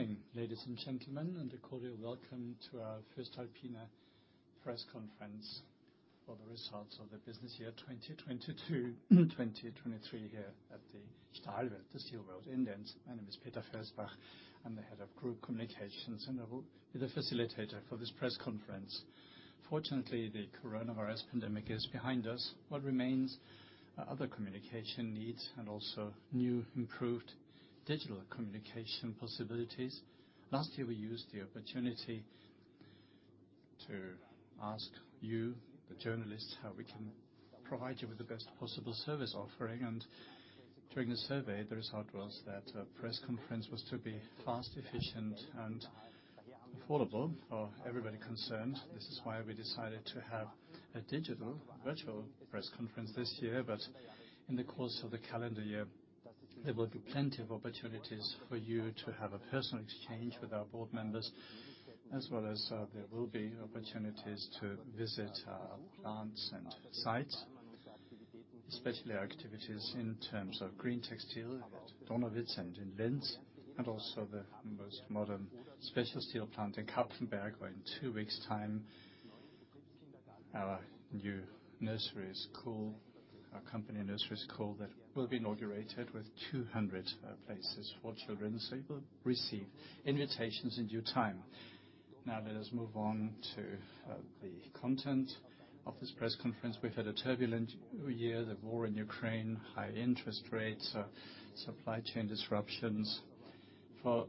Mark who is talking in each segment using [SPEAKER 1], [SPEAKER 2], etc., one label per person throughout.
[SPEAKER 1] Morning, ladies and gentlemen, and a cordial welcome to our voestalpine press conference for the results of the business year 2022, 2023, here at the Stahlwelt, the SteelWorld in Linz. My name is Peter Felsbach. I'm the Head of Group Communications, and I will be the facilitator for this press conference. Fortunately, the coronavirus pandemic is behind us. What remains are other communication needs and also new, improved digital communication possibilities. Last year, we used the opportunity to ask you, the journalists, how we can provide you with the best possible service offering, and during the survey, the result was that press conference was to be fast, efficient, and affordable for everybody concerned. This is why we decided to have a digital, virtual press conference this year. In the course of the calendar year, there will be plenty of opportunities for you to have a personal exchange with our board members, as well as, there will be opportunities to visit our plants and sites, especially our activities in terms of greentec steel at Donawitz and in Linz, and also the most modern special steel plant in Kapfenberg, where in two weeks' time, our new nursery school, our company nursery school, that will be inaugurated with 200 places for children. You will receive invitations in due time. Let us move on to the content of this press conference. We've had a turbulent year, the war in Ukraine, high interest rates, supply chain disruptions. For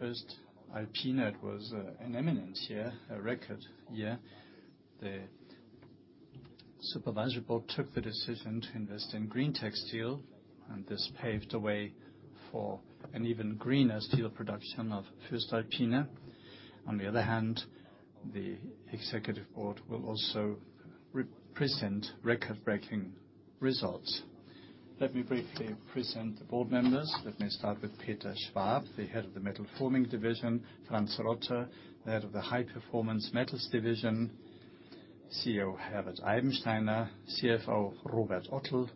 [SPEAKER 1] first, voestalpine was an eminent year, a record year. The supervisory board took the decision to invest in greentec steel, this paved the way for an even greener steel production of voestalpine. On the other hand, the executive board will also re-present record-breaking results. Let me briefly present the board members. Let me start with Peter Schwab, the Head of the Metal Forming Division; Franz Rotter, the Head of the High Performance Metals Division; CEO Herbert Eibensteiner; CFO Robert Ottel,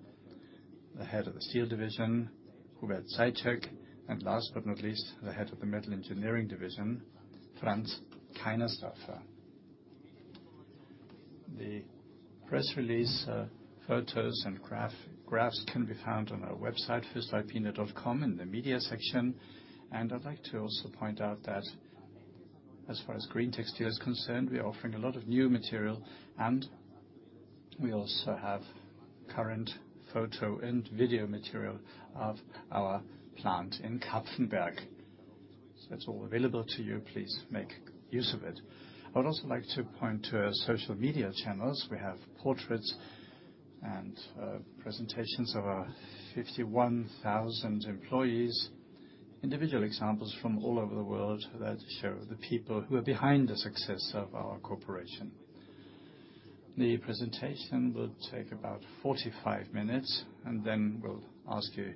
[SPEAKER 1] the Head of the Steel Division; Hubert Zajicek; and last but not least, the Head of the Metal Engineering Division, Franz Kainersdorfer. The press release, photos, and graphs can be found on our website, voestalpine.com, in the Media section. I'd like to also point out that as far as greentec steel is concerned, we are offering a lot of new material, and we also have current photo and video material of our plant in Kapfenberg. That's all available to you. Please make use of it. I would also like to point to our social media channels. We have portraits and presentations of our 51,000 employees, individual examples from all over the world that show the people who are behind the success of our corporation. The presentation will take about 45 minutes, and then we'll ask you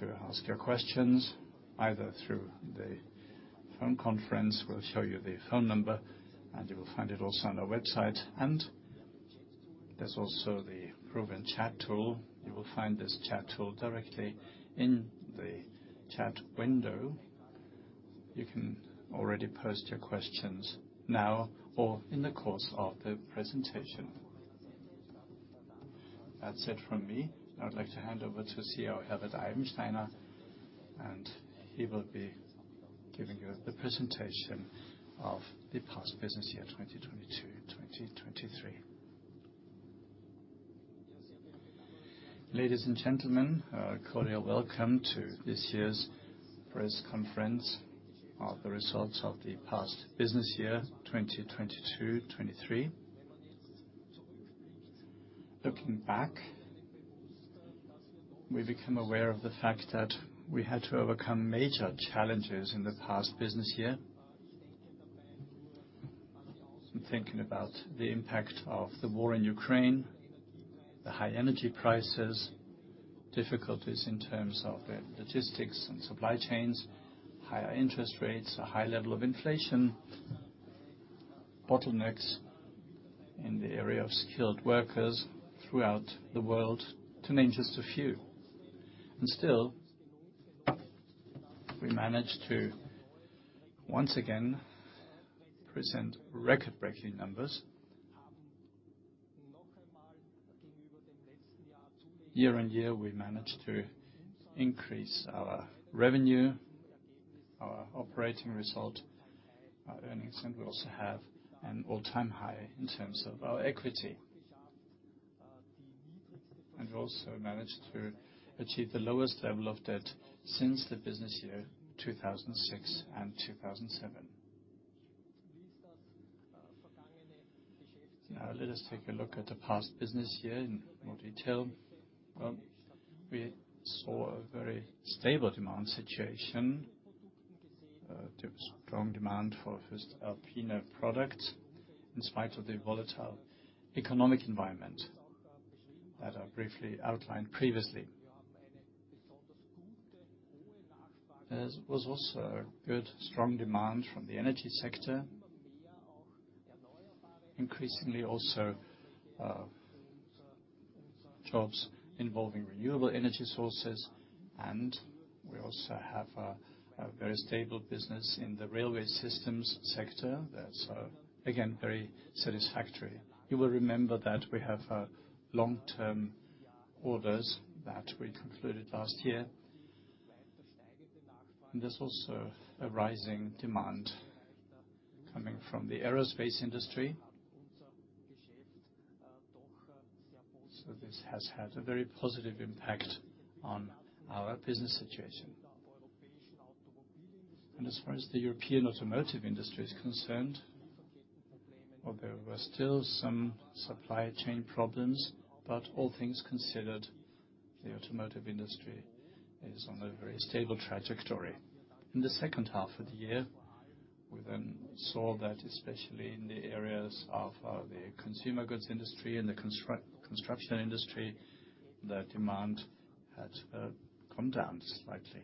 [SPEAKER 1] to ask your questions, either through the phone conference, we'll show you the phone number, and you will find it also on our website. There's also the proven chat tool. You will find this chat tool directly in the chat window. You can already post your questions now or in the course of the presentation. That's it from me. I would like to hand over to CEO Herbert Eibensteiner, and he will be giving you the presentation of the past business year, 2022, 2023.
[SPEAKER 2] Ladies and gentlemen, a cordial welcome to this year's press conference of the results of the past business year, 2022, 2023. Looking back, we become aware of the fact that we had to overcome major challenges in the past business year. I'm thinking about the impact of the war in Ukraine, the high energy prices, difficulties in terms of the logistics and supply chains, higher interest rates, a high level of inflation, bottlenecks in the area of skilled workers throughout the world, to name just a few. Still, we managed to once again present record-breaking numbers. Year-on-year, we managed to increase our revenue, our operating result, our earnings. We also have an all-time high in terms of our equity. We also managed to achieve the lowest level of debt since the business year 2006 and 2007. Let us take a look at the past business year in more detail. We saw a very stable demand situation. There was strong demand for voestalpine products in spite of the volatile economic environment that I briefly outlined previously. There was also a good, strong demand from the energy sector. Increasingly also, jobs involving renewable energy sources, and we also have a very stable business in the railway systems sector. That's again very satisfactory. You will remember that we have long-term orders that we concluded last year. There's also a rising demand coming from the aerospace industry. This has had a very positive impact on our business situation. As far as the European automotive industry is concerned, well, there were still some supply chain problems, but all things considered, the automotive industry is on a very stable trajectory. In the second half of the year, we saw that especially in the areas of the consumer goods industry and the construction industry, that demand had come down slightly.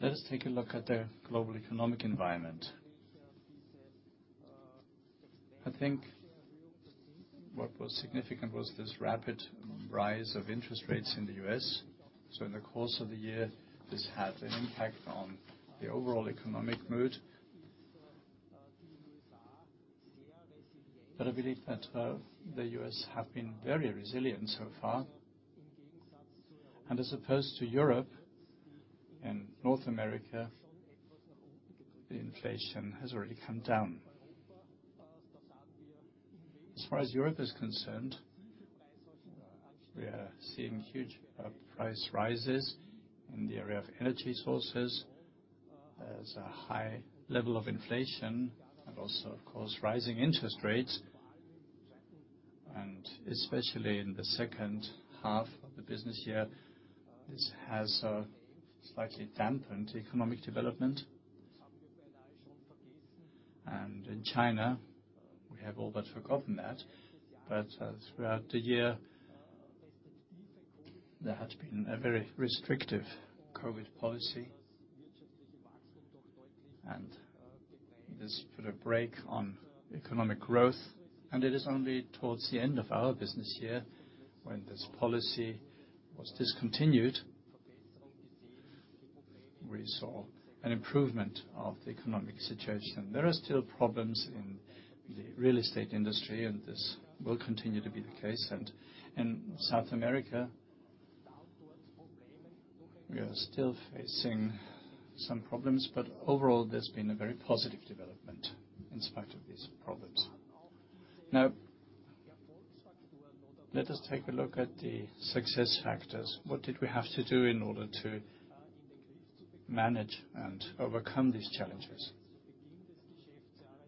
[SPEAKER 2] Let us take a look at the global economic environment. I think what was significant was this rapid rise of interest rates in the U.S. In the course of the year, this had an impact on the overall economic mood. I believe that the U.S. have been very resilient so far, and as opposed to Europe and North America, the inflation has already come down. As far as Europe is concerned, we are seeing huge price rises in the area of energy sources. There's a high level of inflation and also, of course, rising interest rates, and especially in the second half of the business year, this has slightly dampened economic development. In China, we have all but forgotten that, but throughout the year, there had been a very restrictive COVID policy, and this put a brake on economic growth, and it is only towards the end of our business year, when this policy was discontinued, we saw an improvement of the economic situation. There are still problems in the real estate industry, and this will continue to be the case. In South America, we are still facing some problems, but overall, there's been a very positive development in spite of these problems. Let us take a look at the success factors. What did we have to do in order to manage and overcome these challenges?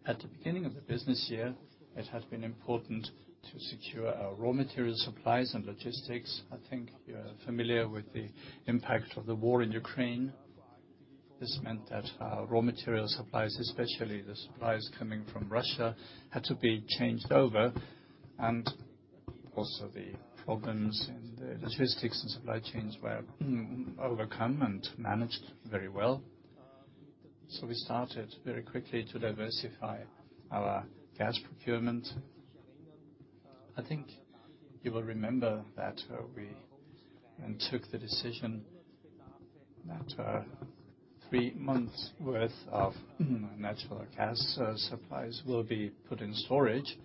[SPEAKER 2] At the beginning of the business year, it had been important to secure our raw material supplies and logistics. I think you're familiar with the impact of the war in Ukraine. This meant that our raw material supplies, especially the supplies coming from Russia, had to be changed over, and also the problems in the logistics and supply chains were overcome and managed very well. We started very quickly to diversify our gas procurement. I think you will remember that we then took the decision that three months' worth of natural gas supplies will be put in storage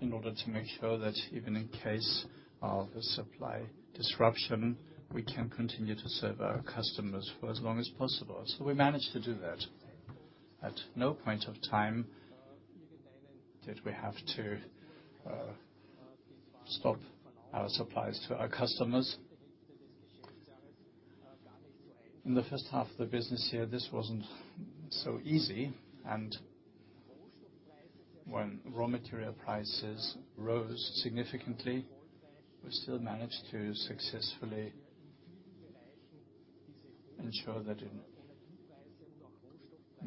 [SPEAKER 2] in order to make sure that even in case of a supply disruption, we can continue to serve our customers for as long as possible. We managed to do that. At no point of time did we have to stop our supplies to our customers. In the first half of the business year, this wasn't so easy, and when raw material prices rose significantly, we still managed to successfully ensure that in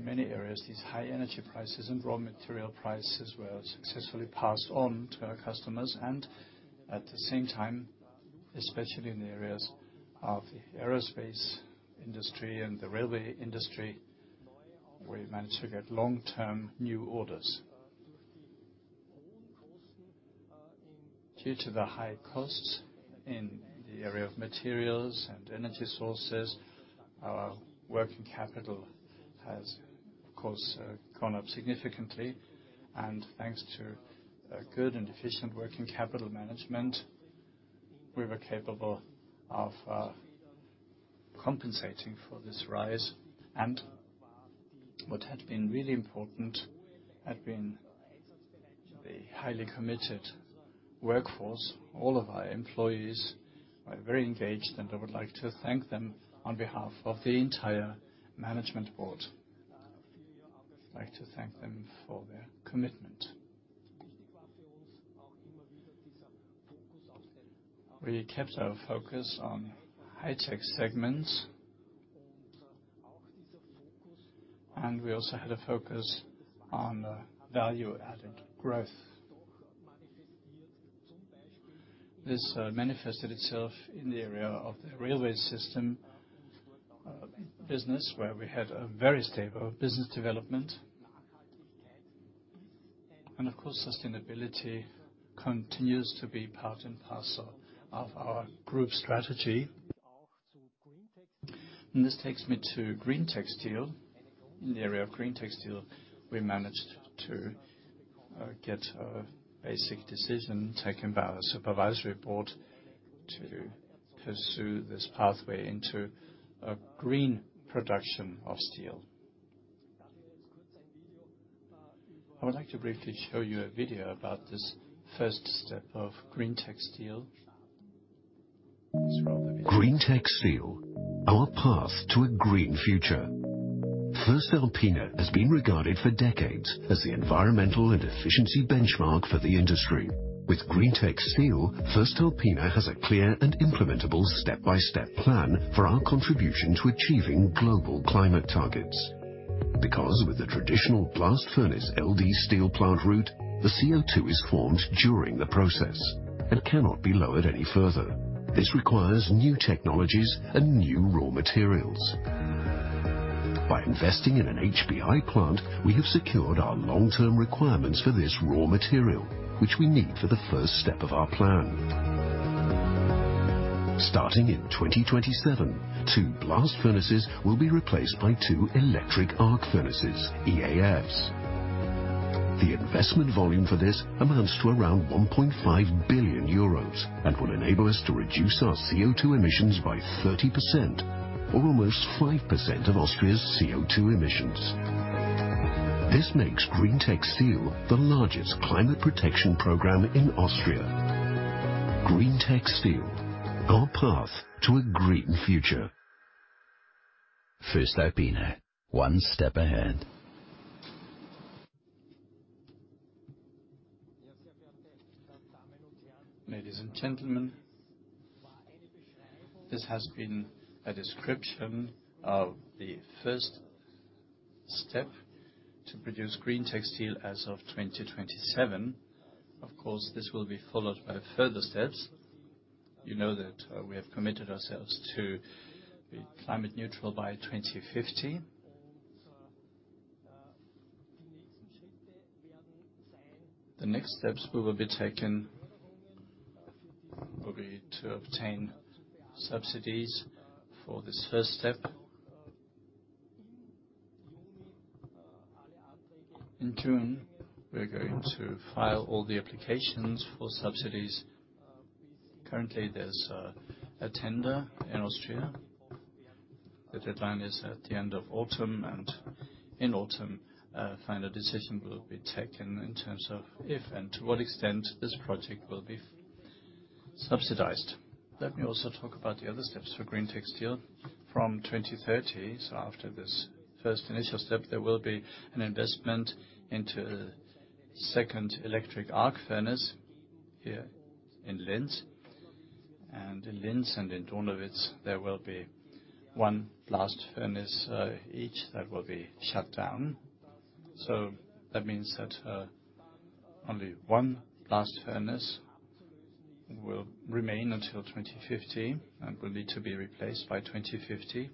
[SPEAKER 2] many areas, these high energy prices and raw material prices were successfully passed on to our customers. At the same time, especially in the areas of the aerospace industry and the railway industry, we managed to get long-term new orders. Due to the high costs in the area of materials and energy sources, our working capital has, of course, gone up significantly. Thanks to a good and efficient working capital management, we were capable of compensating for this rise. What had been really important had been the highly committed workforce. All of our employees are very engaged, and I would like to thank them on behalf of the entire management board. I'd like to thank them for their commitment. We kept our focus on high-tech segments, and we also had a focus on value-added growth. This manifested itself in the area of the railway system business, where we had a very stable business development. Of course, sustainability continues to be part and parcel of our group strategy. This takes me to greentec steel. In the area of greentec steel, we managed to get a basic decision taken by our supervisory board to pursue this pathway into a green production of steel. I would like to briefly show you a video about this first step of greentec steel. Let's roll the video.
[SPEAKER 3] greentec steel, our path to a green future. voestalpine has been regarded for decades as the environmental and efficiency benchmark for the industry. With greentec steel, voestalpine has a clear and implementable step-by-step plan for our contribution to achieving global climate targets. With the traditional blast furnace LD steel plant route, the CO2 is formed during the process and cannot be lowered any further. This requires new technologies and new raw materials. By investing in an HBI plant, we have secured our long-term requirements for this raw material, which we need for the first step of our plan. Starting in 2027, two blast furnaces will be replaced by two electric arc furnaces, EAFs. The investment volume for this amounts to around 1.5 billion euros, and will enable us to reduce our CO2 emissions by 30%, or almost 5% of Austria's CO2 emissions. This makes greentec steel the largest climate protection program in Austria. greentec steel, our path to a green future. voestalpine, one step ahead.
[SPEAKER 2] Ladies and gentlemen, this has been a description of the first step to produce greentec steel as of 2027. Of course, this will be followed by further steps. You know that, we have committed ourselves to be climate neutral by 2050. The next steps will be to obtain subsidies for this first step. In June, we're going to file all the applications for subsidies. Currently, there's a tender in Austria. The deadline is at the end of autumn, and in autumn, a final decision will be taken in terms of if and to what extent this project will be subsidized. Let me also talk about the other steps for greentec steel. From 2030, so after this first initial step, there will be an investment into a second electric arc furnace here in Linz. In Linz and in Donawitz, there will be one blast furnace, each, that will be shut down. That means that only one blast furnace will remain until 2050, and will need to be replaced by 2050.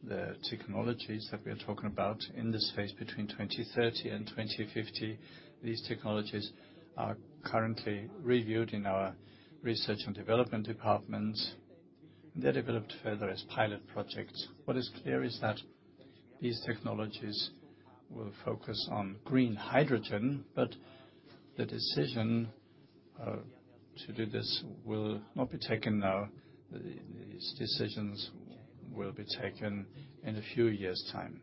[SPEAKER 2] The technologies that we are talking about in this phase between 2030 and 2050, these technologies are currently reviewed in our research and development department. They're developed further as pilot projects. What is clear is that these technologies will focus on green hydrogen, but the decision to do this will not be taken now. These decisions will be taken in a few years' time.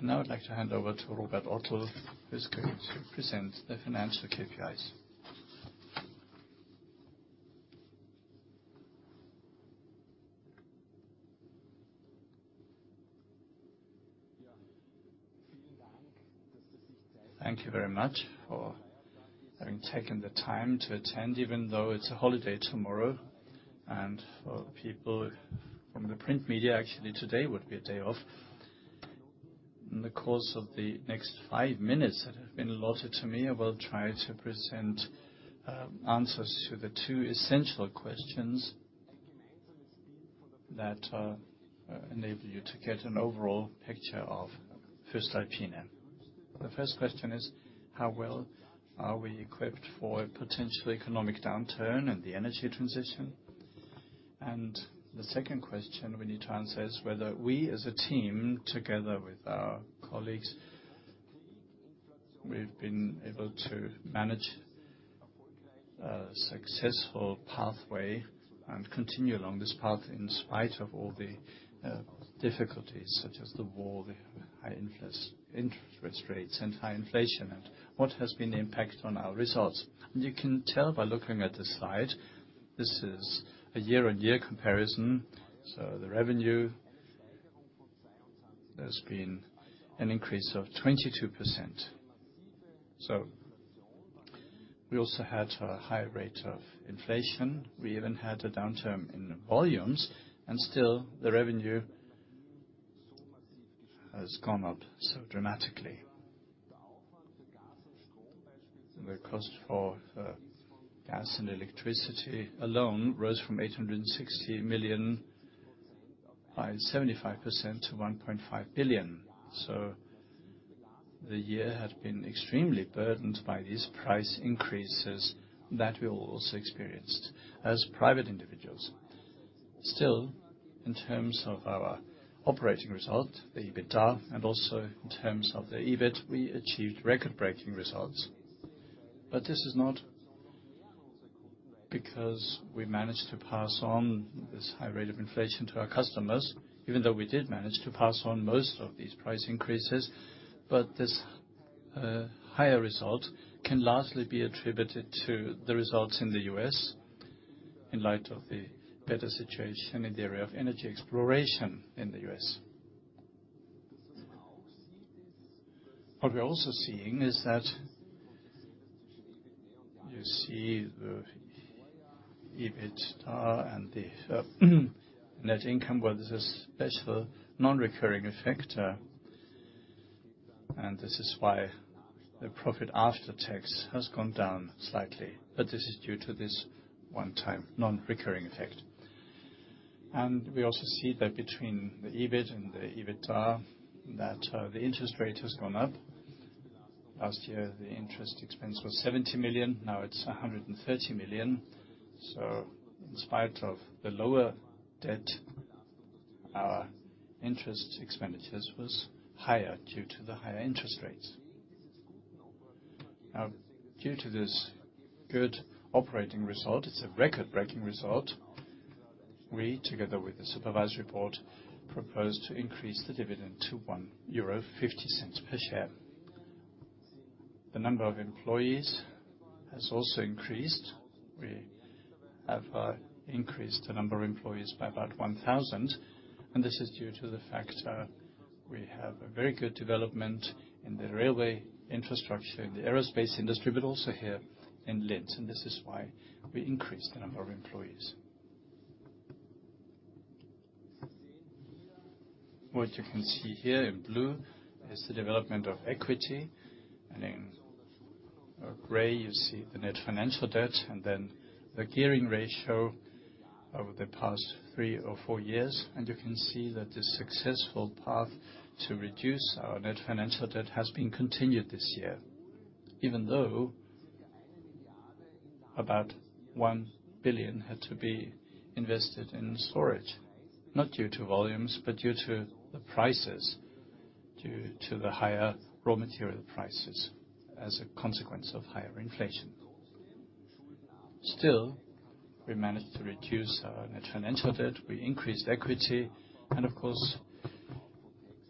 [SPEAKER 2] Now I'd like to hand over to Robert Ottel, who is going to present the financial KPIs.
[SPEAKER 4] Thank you very much for having taken the time to attend, even though it's a holiday tomorrow, and for the people from the print media, actually, today would be a day off. In the course of the next five minutes that have been allotted to me, I will try to present answers to the two essential questions that enable you to get an overall picture of voestalpine. The first question is: How well are we equipped for a potential economic downturn and the energy transition? The second question we need to answer is whether we, as a team, together with our colleagues, we've been able to manage a successful pathway and continue along this path in spite of all the difficulties, such as the war, the high interest rates, and high inflation, and what has been the impact on our results. You can tell by looking at this slide, this is a year-on-year comparison, the revenue, there's been an increase of 22%. We also had a high rate of inflation. We even had a downturn in volumes, and still, the revenue has gone up so dramatically. The cost for gas and electricity alone rose from 860 million, by 75% to 1.5 billion. The year had been extremely burdened by these price increases that we all also experienced as private individuals. Still, in terms of our operating result, the EBITDA, and also in terms of the EBIT, we achieved record-breaking results. This is not because we managed to pass on this high rate of inflation to our customers, even though we did manage to pass on most of these price increases. This higher result can largely be attributed to the results in the U.S., in light of the better situation in the area of energy exploration in the U.S. What we're also seeing is that, you see the EBITDA and the net income, where there's a special non-recurring effect, and this is why the profit after tax has gone down slightly. This is due to this one-time non-recurring effect. We also see that between the EBIT and the EBITDA, that the interest rate has gone up. Last year, the interest expense was 70 million, now it's 130 million. In spite of the lower debt, our interest expenditures was higher due to the higher interest rates. Due to this good operating result, it's a record-breaking result, we, together with the supervisory board, propose to increase the dividend to 1.50 euro per share. The number of employees has also increased. We have increased the number of employees by about 1,000, and this is due to the fact, we have a very good development in the railway infrastructure, in the aerospace industry, but also here in Linz, and this is why we increased the number of employees. What you can see here in blue is the development of equity, and in gray, you see the net financial debt, and then the gearing ratio over the past three or four years. You can see that the successful path to reduce our net financial debt has been continued this year, even though about 1 billion had to be invested in storage, not due to volumes, but due to the prices, due to the higher raw material prices as a consequence of higher inflation. Still, we managed to reduce our net financial debt, we increased equity, and of course,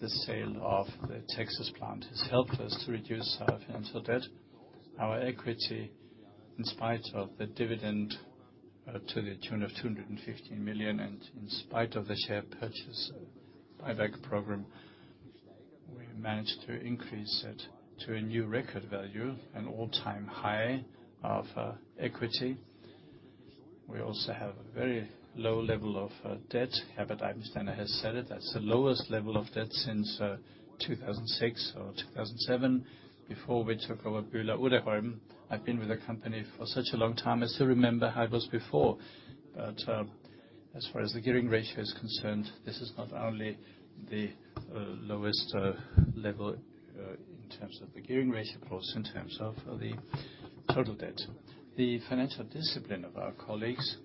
[SPEAKER 4] the sale of the Texas plant has helped us to reduce our financial debt. Our equity, in spite of the dividend, to the tune of 250 million, and in spite of the share purchase, buyback program, we managed to increase it to a new record value, an all-time high of equity. We also have a very low level of debt. Herbert Eibensteiner has said it, that's the lowest level of debt since 2006 or 2007, before we took over Böhler-Uddeholm. I've been with the company for such a long time. As far as the gearing ratio is concerned, this is not only the lowest level in terms of the gearing ratio, plus in terms of the total debt. The financial discipline of our colleagues,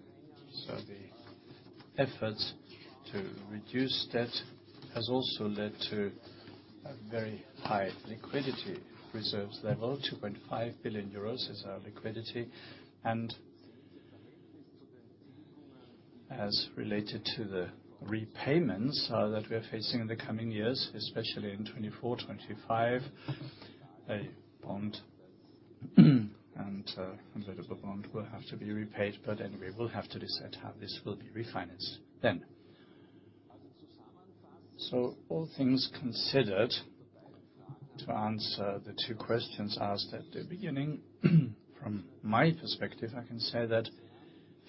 [SPEAKER 4] so the efforts to reduce debt, has also led to a very high liquidity reserves level. 25 billion euros is our liquidity, and as related to the repayments that we are facing in the coming years, especially in 2024, 2025, a bond, and a convertible bond will have to be repaid, but then we will have to decide how this will be refinanced then. All things considered, to answer the two questions asked at the beginning, from my perspective, I can say that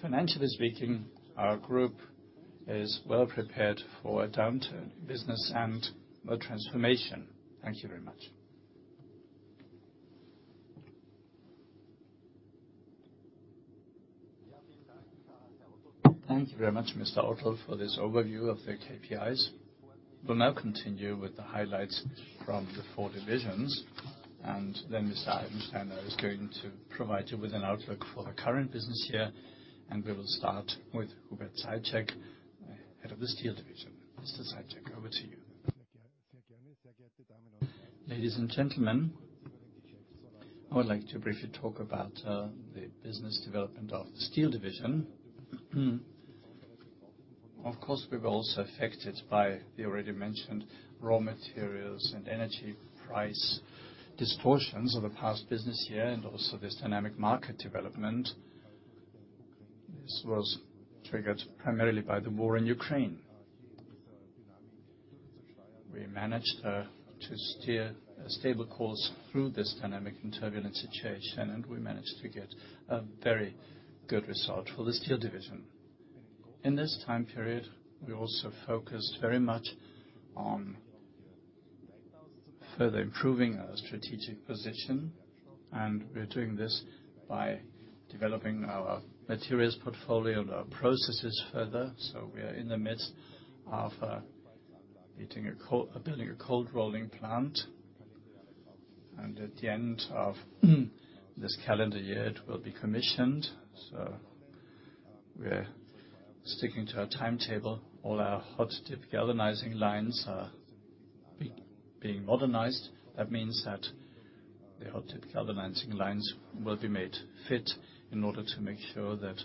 [SPEAKER 4] financially speaking, our group is well prepared for a downturn in business and the transformation. Thank you very much.
[SPEAKER 1] Thank you very much, Mr. Ottel, for this overview of the KPIs. We'll now continue with the highlights from the four divisions, and then Mr. Eibensteiner is going to provide you with an outlook for the current business year, and we will start with Hubert Zajicek, head of the Steel Division. Mr. Zajicek, over to you.
[SPEAKER 5] Ladies and gentlemen, I would like to briefly talk about the business development of the Steel Division. Of course, we were also affected by the already mentioned raw materials and energy price distortions over the past business year, and also this dynamic market development. This was triggered primarily by the war in Ukraine. We managed to steer a stable course through this dynamic and turbulent situation, and we managed to get a very good result for the Steel Division. In this time period, we also focused very much on further improving our strategic position, and we're doing this by developing our materials portfolio and our processes further. We are in the midst of building a cold rolling plant, and at the end of this calendar year, it will be commissioned. We're sticking to our timetable. All our hot-dip galvanizing lines are being modernized. That means that the hot-dip galvanizing lines will be made fit in order to make sure that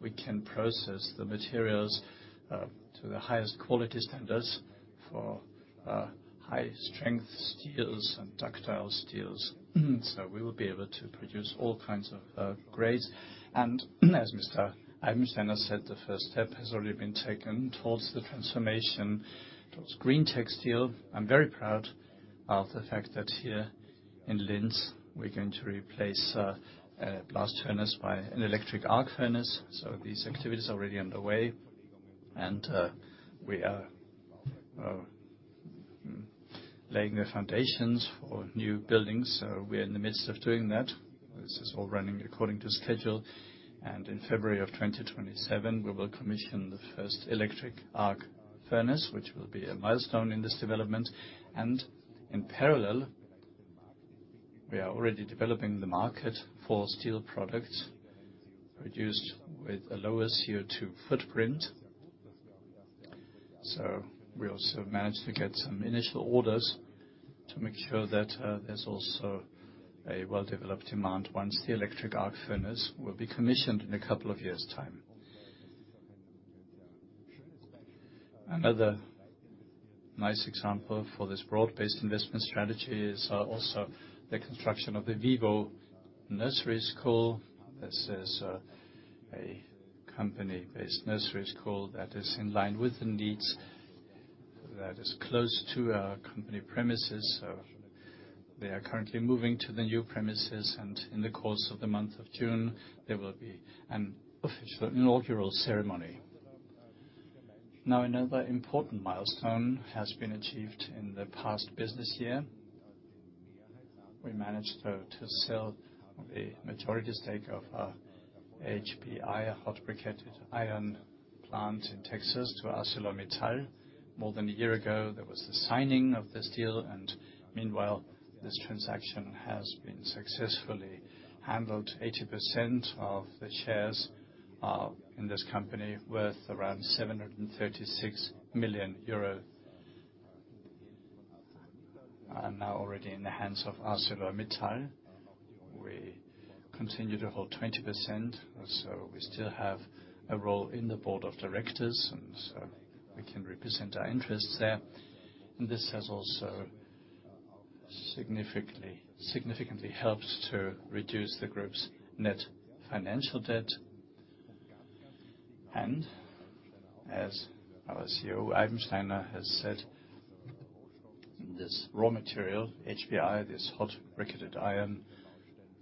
[SPEAKER 5] we can process the materials to the highest quality standards for high-strength steels and ductile steels. We will be able to produce all kinds of grades. As Mr. Eibensteiner said, the first step has already been taken towards the transformation, towards greentec steel. I'm very proud of the fact that here in Linz, we're going to replace a blast furnace by an electric arc furnace, so these activities are already underway, and we are laying the foundations for new buildings. We are in the midst of doing that. This is all running according to schedule, and in February of 2027, we will commission the first electric arc furnace, which will be a milestone in this development. In parallel, we are already developing the market for steel products produced with a lower CO2 footprint. We also managed to get some initial orders to make sure that there's also a well-developed demand once the electric arc furnace will be commissioned in a couple of years' time. Another nice example for this broad-based investment strategy is also the construction of the vivo Kinderwelt. This is a company-based nursery school that is in line with the needs, that is close to our company premises. They are currently moving to the new premises, and in the course of the month of June, there will be an official inaugural ceremony. Another important milestone has been achieved in the past business year. We managed to sell a majority stake of our HBI, hot briquetted iron, plant in Texas to ArcelorMittal. More than a year ago, there was the signing of this deal, and meanwhile, this transaction has been successfully handled. 80% of the shares are in this company, worth around 736 million euro, are now already in the hands of ArcelorMittal. We continue to hold 20%, so we still have a role in the board of directors, and so we can represent our interests there. This has also significantly helped to reduce the group's net financial debt. As our CEO Eibensteiner has said, this raw material, HBI, this hot briquetted iron,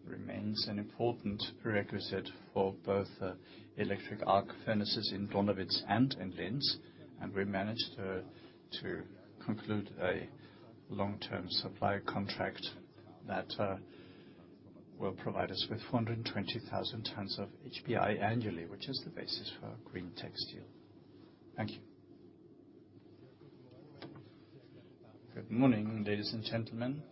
[SPEAKER 5] remains an important prerequisite for both electric arc furnaces in Donawitz and in Linz, and we managed to conclude a long-term supply contract that will provide us with 420,000 tons of HBI annually, which is the basis for our greentec steel. Thank you.
[SPEAKER 4] Good morning, ladies and gentlemen.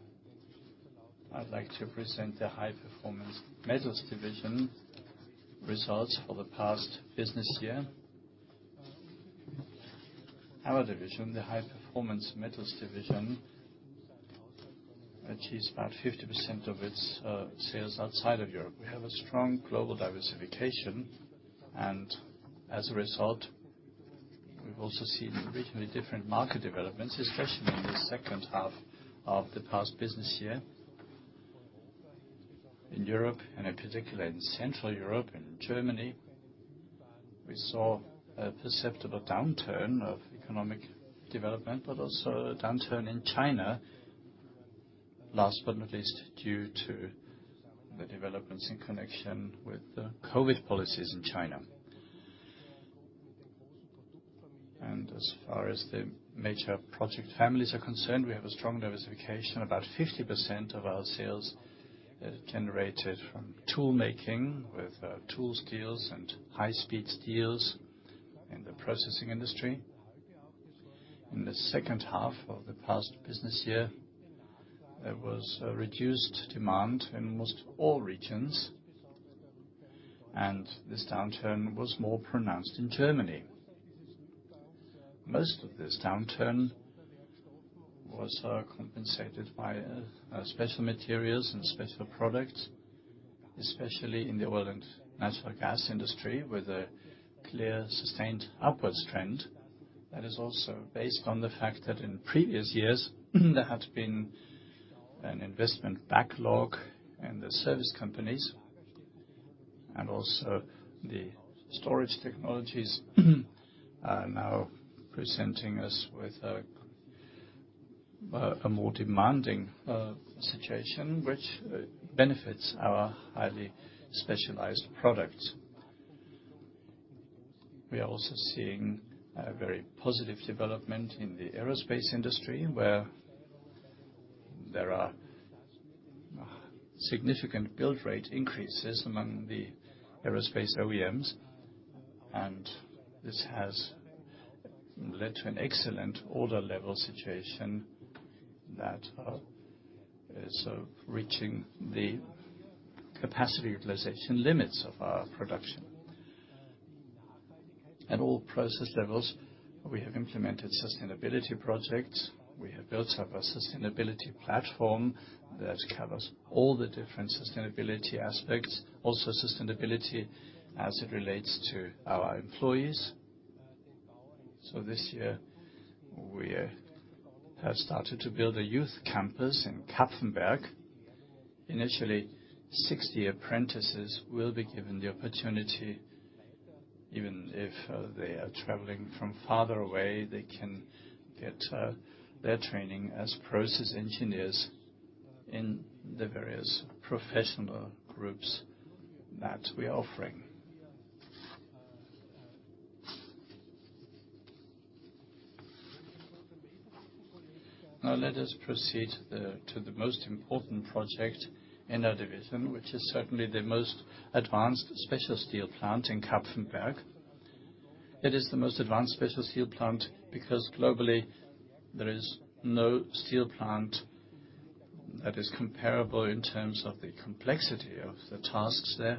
[SPEAKER 4] I'd like to present the High Performance Metals Division results for the past business year. Our division, the High Performance Metals Division, achieves about 50% of its sales outside of Europe. We have a strong global diversification, as a result, we've also seen regionally different market developments, especially in the second half of the past business year. In Europe, in particular in Central Europe and Germany, we saw a perceptible downturn of economic development, also a downturn in China. Last but not least, due to the developments in connection with the COVID policies in China. As far as the major project families are concerned, we have a strong diversification. About 50% of our sales is generated from toolmaking with tool steels and high-speed steels in the processing industry. In the second half of the past business year, there was a reduced demand in almost all regions, this downturn was more pronounced in Germany. Most of this downturn was compensated by special materials and special products, especially in the oil and natural gas industry, with a clear, sustained upwards trend. That is also based on the fact that in previous years, there had been an investment backlog in the service companies, and also the storage technologies are now presenting us with a more demanding situation, which benefits our highly specialized products. We are also seeing a very positive development in the aerospace industry, where there are significant build rate increases among the aerospace OEMs. This has led to an excellent order level situation that is reaching the capacity utilization limits of our production. At all process levels, we have implemented sustainability projects. We have built up a sustainability platform that covers all the different sustainability aspects, also sustainability as it relates to our employees. This year, we have started to build a youth campus in Kapfenberg. Initially, 60 apprentices will be given the opportunity, even if they are traveling from farther away, they can get their training as process engineers in the various professional groups that we are offering. Let us proceed to the most important project in our division, which is certainly the most advanced special steel plant in Kapfenberg. It is the most advanced special steel plant, because globally, there is no steel plant that is comparable in terms of the complexity of the tasks there.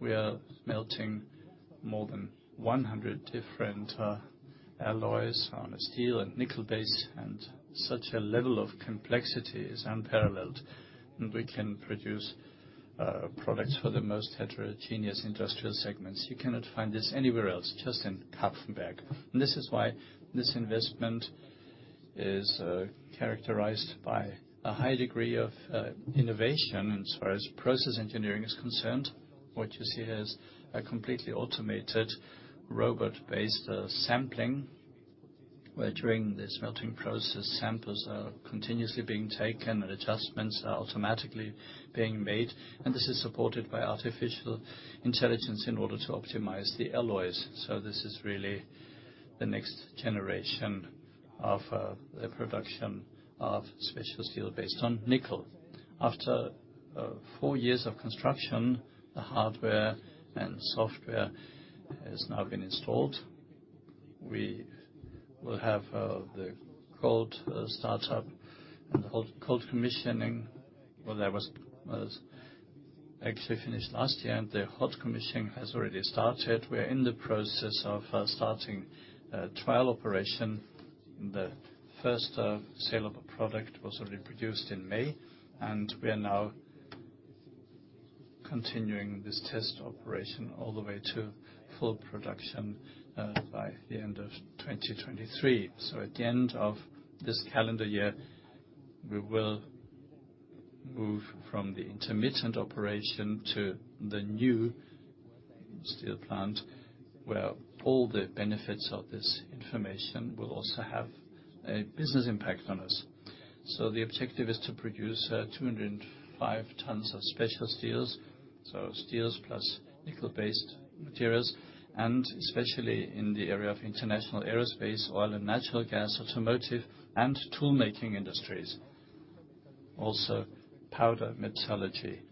[SPEAKER 4] We are melting more than 100 different alloys on a steel and nickel base, and such a level of complexity is unparalleled, and we can produce products for the most heterogeneous industrial segments. You cannot find this anywhere else, just in Kapfenberg. This is why this investment is characterized by a high degree of innovation as far as process engineering is concerned. What you see here is a completely automated robot-based sampling, where during this melting process, samples are continuously being taken, and adjustments are automatically being made, and this is supported by artificial intelligence in order to optimize the alloys. This is really the next generation of the production of special steel based on nickel. After four years of construction, the hardware and software has now been installed. We will have the cold startup and the cold commissioning. That was actually finished last year, and the hot commissioning has already started. We are in the process of starting a trial operation.
[SPEAKER 5] The first saleable product was already produced in May, and we are now continuing this test operation all the way to full production by the end of 2023. At the end of this calendar year, we will move from the intermittent operation to the new steel plant, where all the benefits of this information will also have a business impact on us. The objective is to produce 205 tons of special steels, so steels plus nickel-based materials, and especially in the area of international aerospace, oil and natural gas, automotive, and tool-making industries. Powder metallurgy,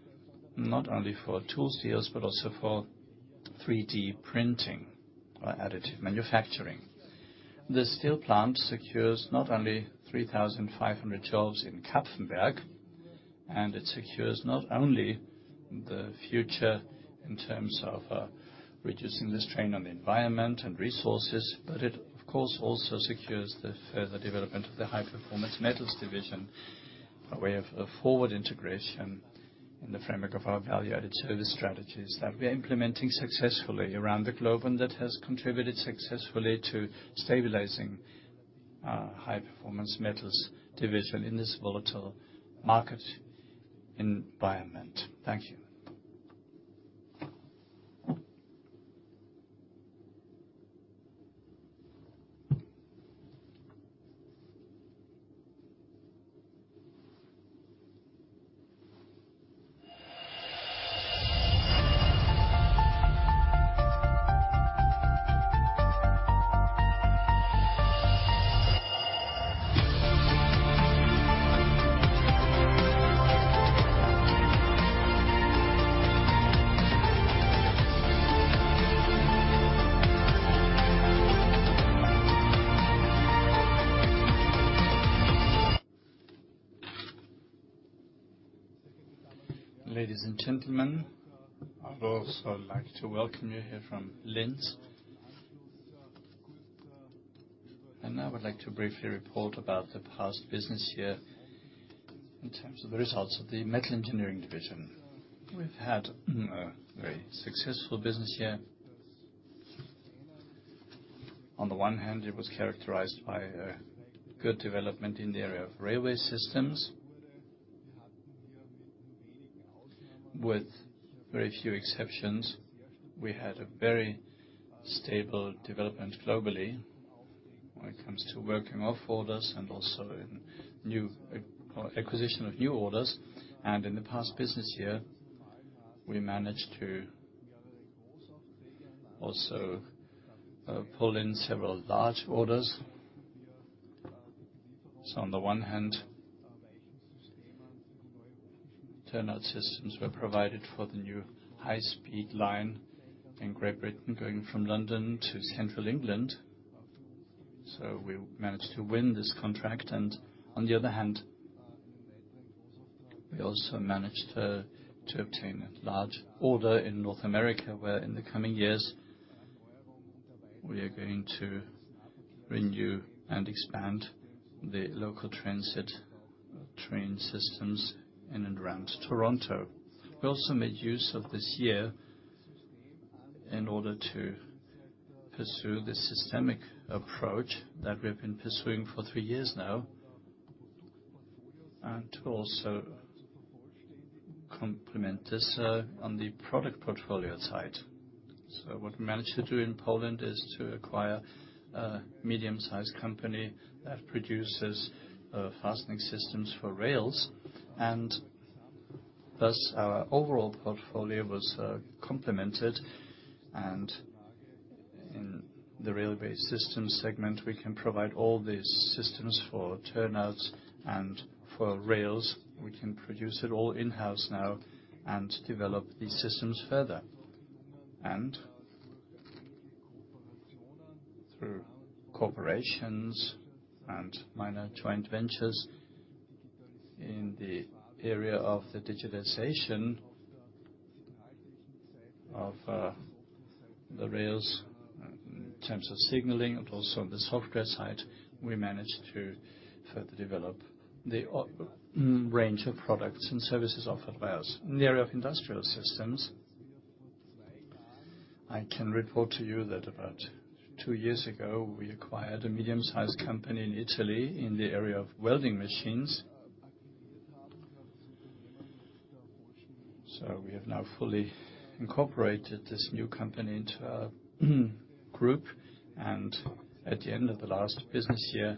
[SPEAKER 5] not only for tool steels, but also for 3D printing or additive manufacturing. The steel plant secures not only 3,500 jobs in Kapfenberg, it secures not only the future in terms of reducing the strain on the environment and resources, but it, of course, also secures the further development of the High Performance Metals Division. A way of forward integration in the framework of our value-added service strategies that we are implementing successfully around the globe, and that has contributed successfully to stabilizing our High Performance Metals Division in this volatile market environment. Thank you.
[SPEAKER 1] Ladies and gentlemen, I would also like to welcome you here from Linz. I would like to briefly report about the past business year in terms of the results of the Metal Engineering Division. We've had a very successful business year. On the one hand, it was characterized by a good development in the area of railway systems.... With very few exceptions, we had a very stable development globally when it comes to working off orders and also in new acquisition of new orders. In the past business year, we managed to also pull in several large orders. On the one hand, turnout systems were provided for the new high-speed line in Great Britain, going from London to central England. We managed to win this contract, and on the other hand, we also managed to obtain a large order in North America, where in the coming years, we are going to renew and expand the local transit train systems in and around Toronto. We also made use of this year in order to pursue the systemic approach that we have been pursuing for three years now, and to also complement this on the product portfolio side.
[SPEAKER 5] What we managed to do in Poland is to acquire a medium-sized company that produces fastening systems for rails, and thus our overall portfolio was complemented. In the railway system segment, we can provide all these systems for turnouts and for rails. We can produce it all in-house now and develop these systems further. Through corporations and minor joint ventures in the area of the digitization of the rails, in terms of signaling and also on the software side, we managed to further develop the range of products and services offered by us. In the area of industrial systems, I can report to you that about two years ago, we acquired a medium-sized company in Italy in the area of welding machines. We have now fully incorporated this new company into our group. At the end of the last business year,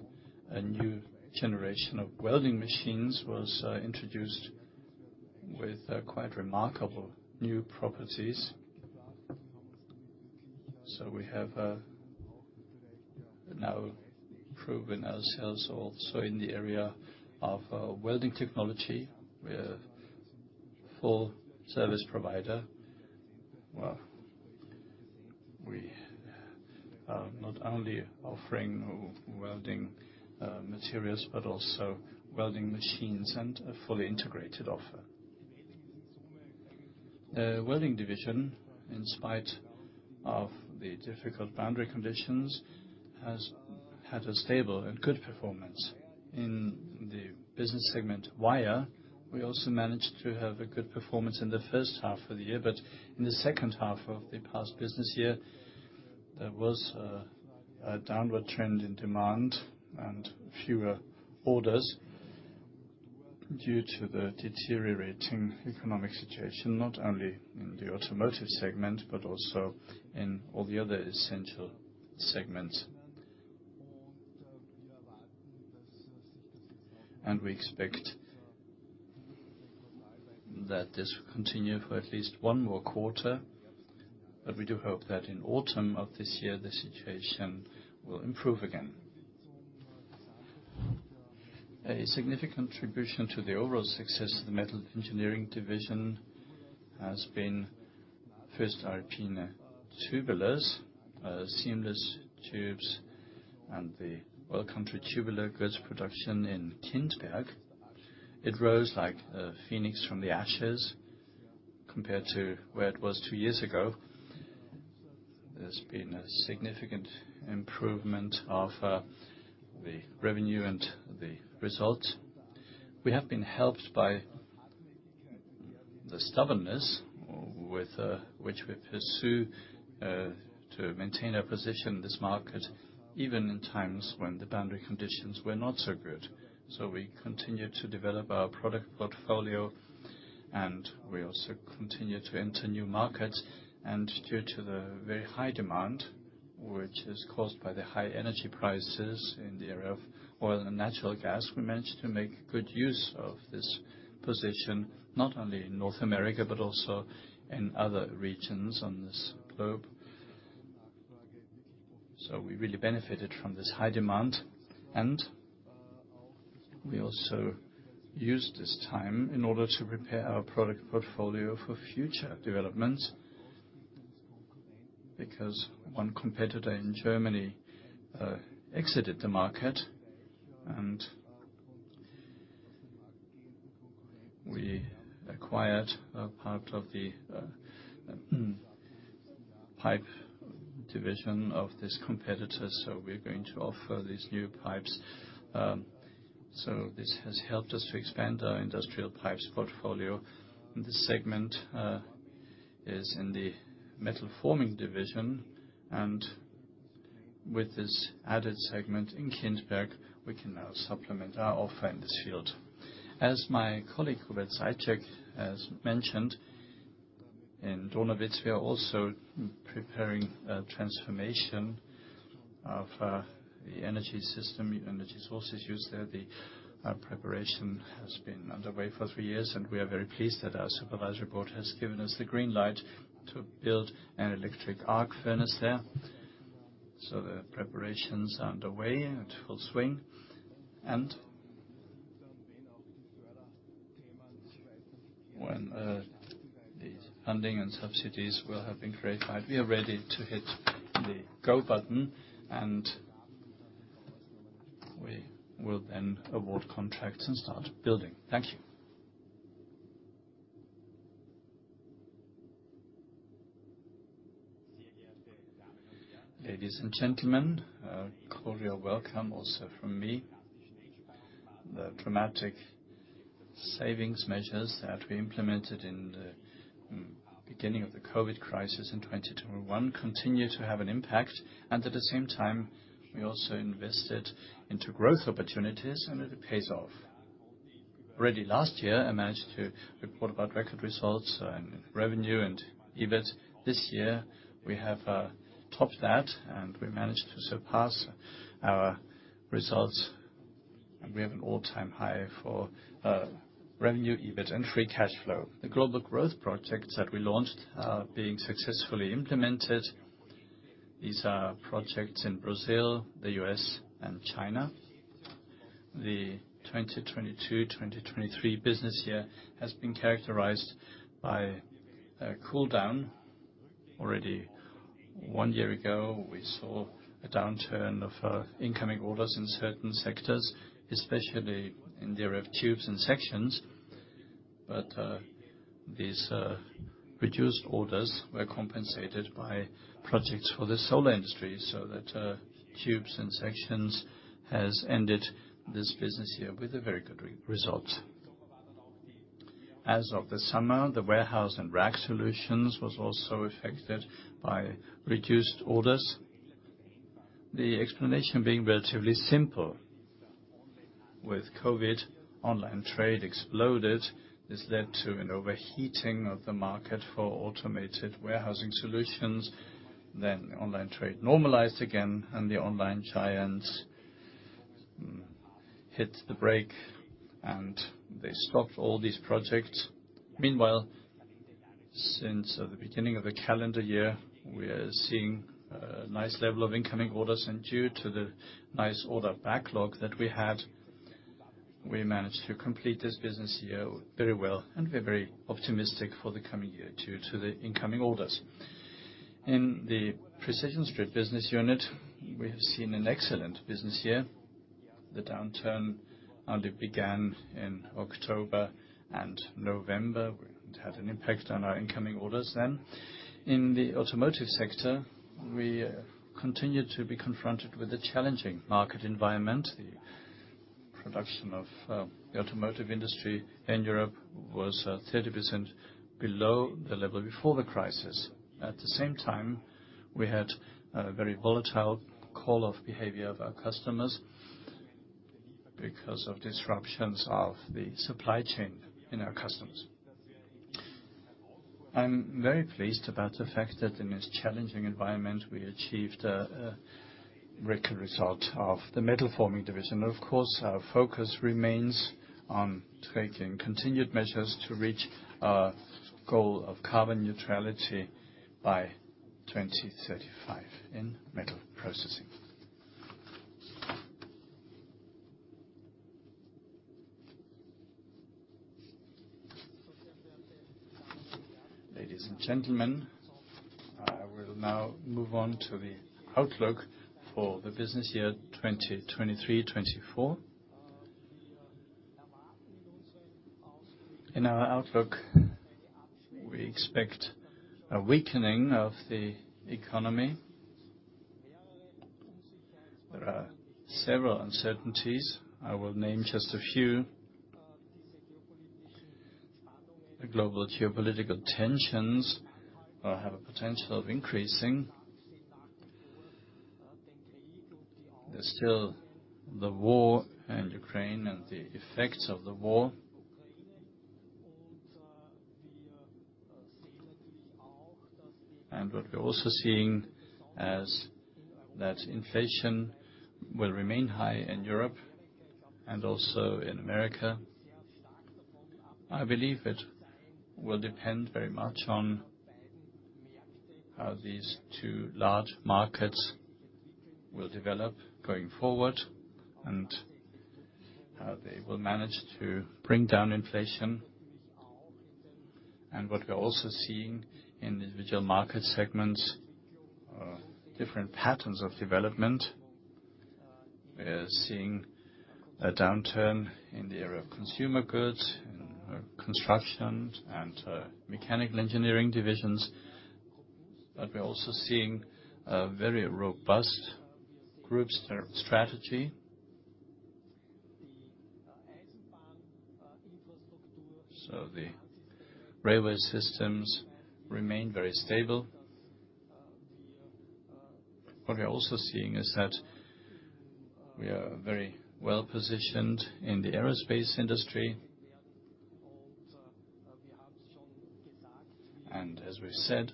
[SPEAKER 5] a new generation of welding machines was introduced with quite remarkable new properties. We have now proven ourselves also in the area of welding technology. We're a full service provider, where we are not only offering welding materials, but also welding machines and a fully integrated offer. The welding division, in spite of the difficult boundary conditions, has had a stable and good performance. In the business segment wire, we also managed to have a good performance in the first half of the year, but in the second half of the past business year, there was a downward trend in demand and fewer orders due to the deteriorating economic situation, not only in the automotive segment, but also in all the other essential segments. We expect that this will continue for at least one more quarter, but we do hope that in autumn of this year, the situation will improve again. A significant contribution to the overall success of the Metal Engineering Division has been first, voestalpine Tubulars, seamless tubes, and the Oil Country Tubular Goods production in Kindberg. It rose like a phoenix from the ashes compared to where it was two years ago. There's been a significant improvement of the revenue and the result. We have been helped by the stubbornness with which we pursue to maintain our position in this market, even in times when the boundary conditions were not so good. We continued to develop our product portfolio, and we also continued to enter new markets. Due to the very high demand, which is caused by the high energy prices in the area of oil and natural gas, we managed to make good use of this position, not only in North America, but also in other regions on this globe. We really benefited from this high demand, and we also used this time in order to prepare our product portfolio for future developments, because one competitor in Germany exited the market, and we acquired a part of the pipe division of this competitor, so we're going to offer these new pipes. This has helped us to expand our industrial pipes portfolio, and this segment is in the Metal Forming Division. With this added segment in Kindberg, we can now supplement our offer in this field. As my colleague, Hubert Zajicek, has mentioned, in Donawitz, we are also preparing a transformation of the energy system, energy sources used there. The preparation has been underway for three years, and we are very pleased that our supervisory board has given us the green light to build an electric arc furnace there. The preparations are underway, in full swing, and when the funding and subsidies will have been clarified, we are ready to hit the go button, and we will then award contracts and start building. Thank you. Ladies and gentlemen, a cordial welcome also from me. The dramatic savings measures that we implemented in the beginning of the COVID crisis in 2021 continue to have an impact, and at the same time, we also invested into growth opportunities, and it pays off. Already last year, I managed to report about record results in revenue and EBIT. This year, we have topped that, and we managed to surpass our results, and we have an all-time high for revenue, EBIT, and free cash flow. The global growth projects that we launched are being successfully implemented. These are projects in Brazil, the U.S., and China. The 2022, 2023 business year has been characterized by a cool down. Already one year ago, we saw a downturn of incoming orders in certain sectors, especially in the area of tubes and sections, but these reduced orders were compensated by projects for the solar industry, so that tubes and sections has ended this business year with a very good result. As of the summer, the warehouse and rack solutions was also affected by reduced orders. The explanation being relatively simple: with COVID, online trade exploded. This led to an overheating of the market for automated warehousing solutions, then online trade normalized again, and the online giants hit the brake, and they stopped all these projects. Meanwhile, since the beginning of the calendar year, we are seeing a nice level of incoming orders, and due to the nice order backlog that we had, we managed to complete this business year very well, and we're very optimistic for the coming year due to the incoming orders. In the precision strip business unit, we have seen an excellent business year. The downturn only began in October and November. It had an impact on our incoming orders then. In the automotive sector, we continue to be confronted with a challenging market environment. The production of the automotive industry in Europe was 30% below the level before the crisis. At the same time, we had a very volatile call-off behavior of our customers because of disruptions of the supply chain in our customers. I'm very pleased about the fact that in this challenging environment, we achieved a record result of the Metal Forming Division. Of course, our focus remains on taking continued measures to reach our goal of carbon neutrality by 2035 in metal processing. Ladies and gentlemen, I will now move on to the outlook for the business year 2023, 2024. In our outlook, we expect a weakening of the economy. There are several uncertainties. I will name just a few. The global geopolitical tensions have a potential of increasing. There's still the war in Ukraine and the effects of the war. What we're also seeing as that inflation will remain high in Europe and also in America. I believe it will depend very much on how these two large markets will develop going forward and how they will manage to bring down inflation. What we're also seeing in individual market segments are different patterns of development. We are seeing a downturn in the area of consumer goods, in construction, and mechanical engineering divisions, but we're also seeing a very robust group strategy. The railway systems remain very stable. What we are also seeing is that we are very well positioned in the aerospace industry. As we've said,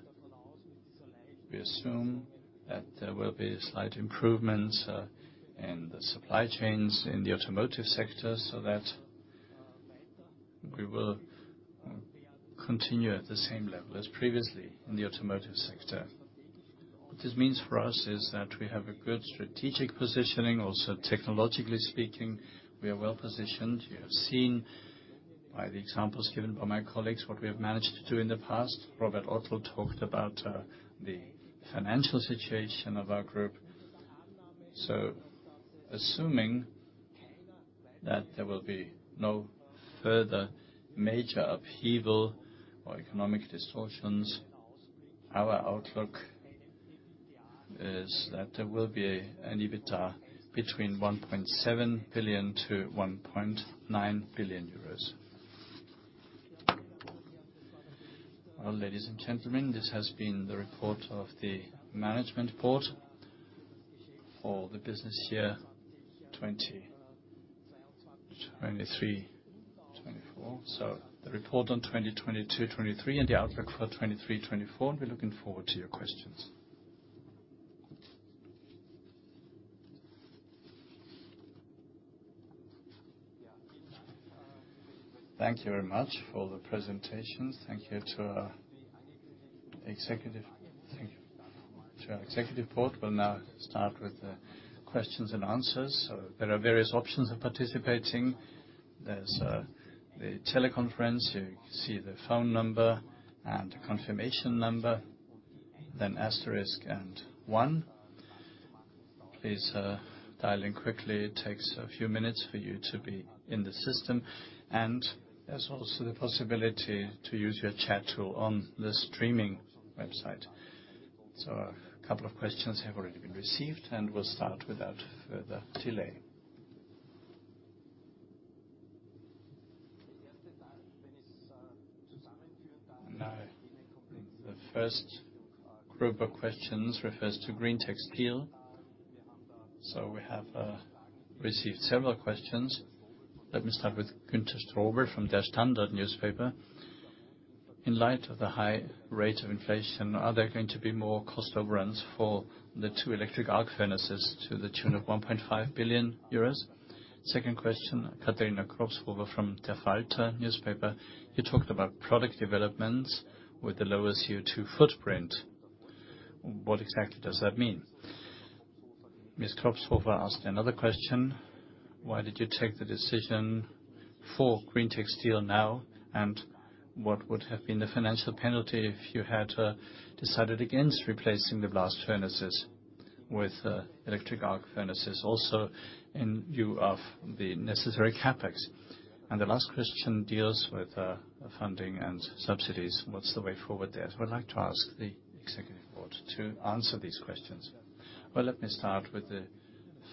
[SPEAKER 5] we assume that there will be slight improvements in the supply chains in the automotive sector, so that we will continue at the same level as previously in the automotive sector. What this means for us, is that we have a good strategic positioning, also technologically speaking, we are well positioned. You have seen by the examples given by my colleagues, what we have managed to do in the past. Robert Ottel talked about the financial situation of our group. Assuming that there will be no further major upheaval or economic distortions, our outlook is that there will be an EBITDA between 1.7 billion-1.9 billion euros. Ladies and gentlemen, this has been the report of the management board for the business year 2023, 2024. The report on 2022, 2023, and the outlook for 2023, 2024, we're looking forward to your questions.
[SPEAKER 1] Thank you very much for the presentation. Thank you to our executive board. We'll now start with the questions and answers. There are various options of participating. There's the teleconference, you can see the phone number and confirmation number, then asterisk and one. Please dial in quickly. It takes a few minutes for you to be in the system, and there's also the possibility to use your chat tool on the streaming website. A couple of questions have already been received, and we'll start without further delay. The first group of questions refers to greentec steel. We have received several questions. Let me start with Günther Strobl from Der Standard: In light of the high rate of inflation, are there going to be more cost overruns for the two Electric Arc Furnaces to the tune of 1.5 billion euros? Second question, Katharina Kropshofer from Falter: You talked about product developments with the lower CO2 footprint. What exactly does that mean? Ms. Kropshofer asked another question: Why did you take the decision for greentec steel now, and what would have been the financial penalty if you had decided against replacing the blast furnaces with electric arc furnaces, also in view of the necessary CapEx? The last question deals with funding and subsidies. What's the way forward there? I would like to ask the executive board to answer these questions. Let me start with the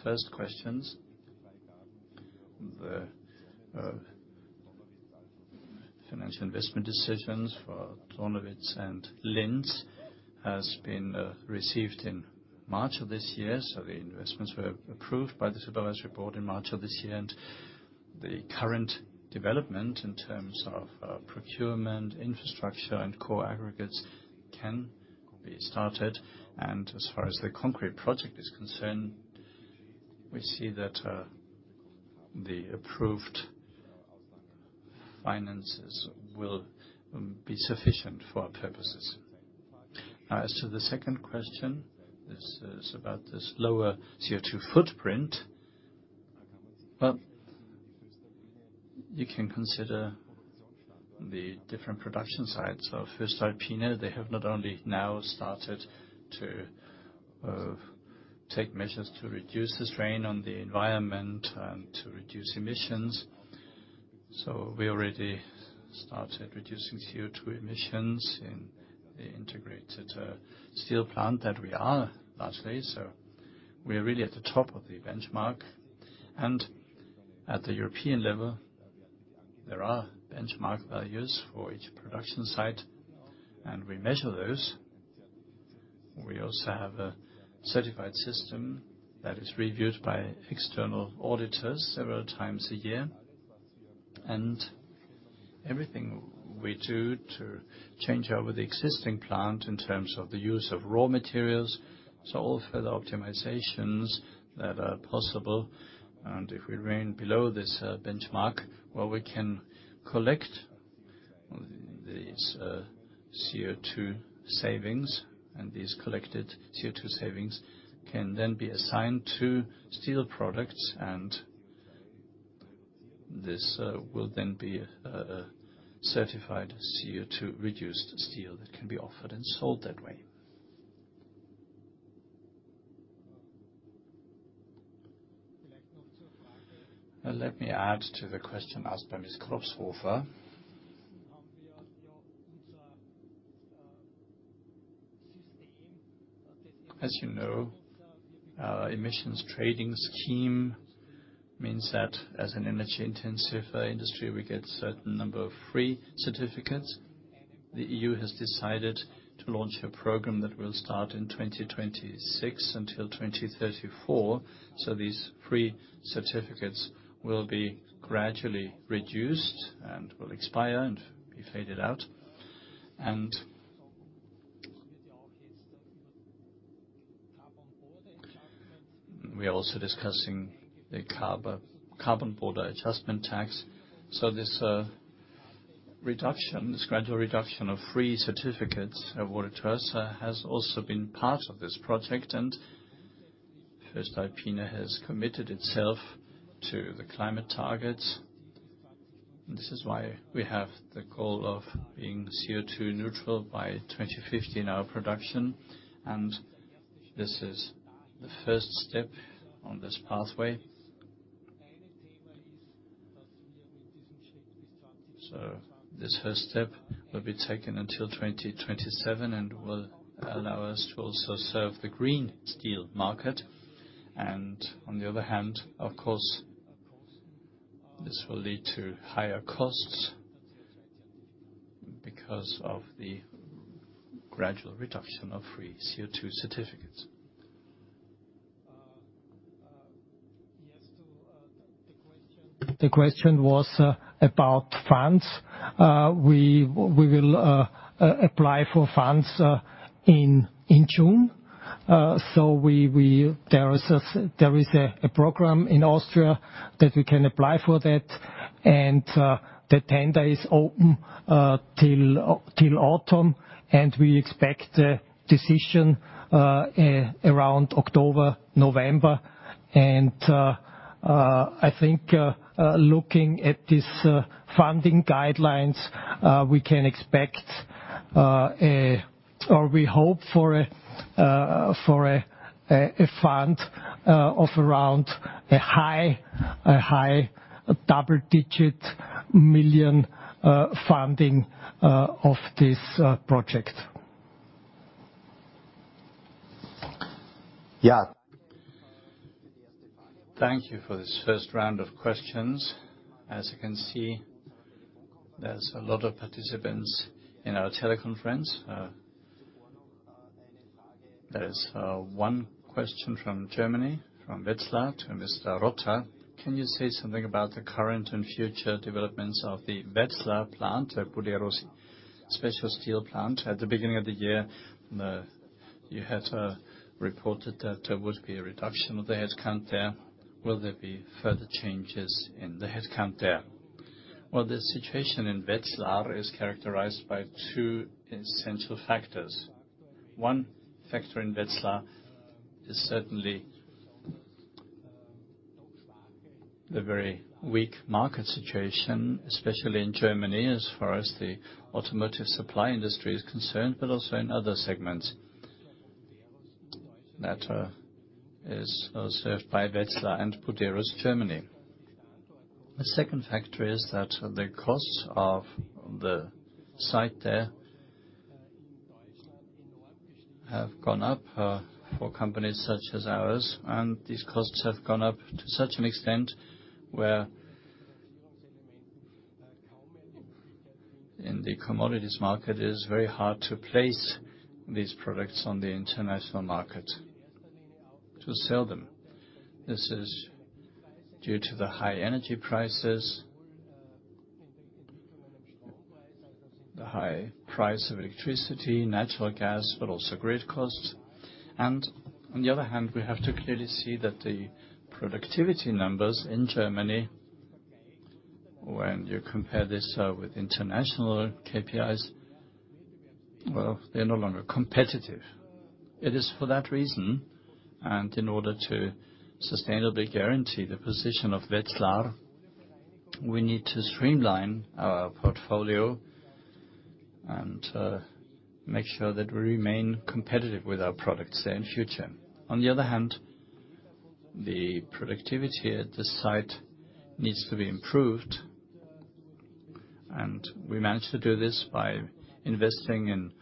[SPEAKER 1] first questions. The financial investment decisions for Donawitz and Linz has been received in March of this year, so the investments were approved by the Supervisory Board in March of this year, and the current development in terms of procurement, infrastructure, and core aggregates can be started. As far as the concrete project is concerned, we see that the approved finances will be sufficient for our purposes. As to the second question, this is about this lower CO2 footprint. You can consider the different production sites of voestalpine. They have not only now started to take measures to reduce the strain on the environment and to reduce emissions. We already started reducing CO2 emissions in the integrated steel plant that we are largely. We are really at the top of the benchmark. At the European level, there are benchmark values for each production site, and we measure those. We also have a certified system that is reviewed by external auditors several times a year. Everything we do to change over the existing plant in terms of the use of raw materials, so all further optimizations that are possible, and if we remain below this benchmark, well, we can collect these CO2 savings, these collected CO2 savings can then be assigned to steel products, this will then be a certified CO2-reduced steel that can be offered and sold that way. Let me add to the question asked by Ms. Kropsover. As you know, our emissions trading scheme means that as an energy-intensive industry, we get certain number of free certificates. The EU has decided to launch a program that will start in 2026 until 2034, these free certificates will be gradually reduced and will expire and be faded out. We are also discussing the Carbon Border Adjustment tax. This reduction, this gradual reduction of free certificates at voestalpine has also been part of this project, and voestalpine has committed itself to the climate targets. This is why we have the goal of being CO₂ neutral by 2050 in our production, and this is the first step on this pathway. This first step will be taken until 2027 and will allow us to also serve the green steel market. On the other hand, of course, this will lead to higher costs because of the gradual reduction of free CO₂ certificates.
[SPEAKER 4] Yes, to the question, the question was about funds. We will apply for funds in June. There is a program in Austria that we can apply for that, and the tender is open till autumn, and we expect a decision around October, November. I think, looking at this funding guidelines, we can expect, or we hope for a fund of around a high double-digit million funding of this project.
[SPEAKER 1] Yeah. Thank you for this first round of questions. As you can see, there's a lot of participants in our teleconference. There is one question from Germany, from Wetzlar to Mr. Rotter. Can you say something about the current and future developments of the Wetzlar plant, the Buderus special steel plant? At the beginning of the year, you had reported that there would be a reduction of the headcount there. Will there be further changes in the headcount there? Well, the situation in Wetzlar is characterized by two essential factors. One factor in Wetzlar is certainly the very weak market situation, especially in Germany, as far as the automotive supply industry is concerned, but also in other segments that is served by Wetzlar and Buderus, Germany. The second factor is that the costs of the site there have gone up for companies such as ours, and these costs have gone up to such an extent where in the commodities market, it is very hard to place these products on the international market to sell them. This is due to the high energy prices, the high price of electricity, natural gas, but also grid costs. On the other hand, we have to clearly see that the productivity numbers in Germany, when you compare this with international KPIs, well, they're no longer competitive. It is for that reason, and in order to sustainably guarantee the position of Wetzlar, we need to streamline our portfolio and make sure that we remain competitive with our products there in future. The productivity at the site needs to be improved, and we manage to do this by investing in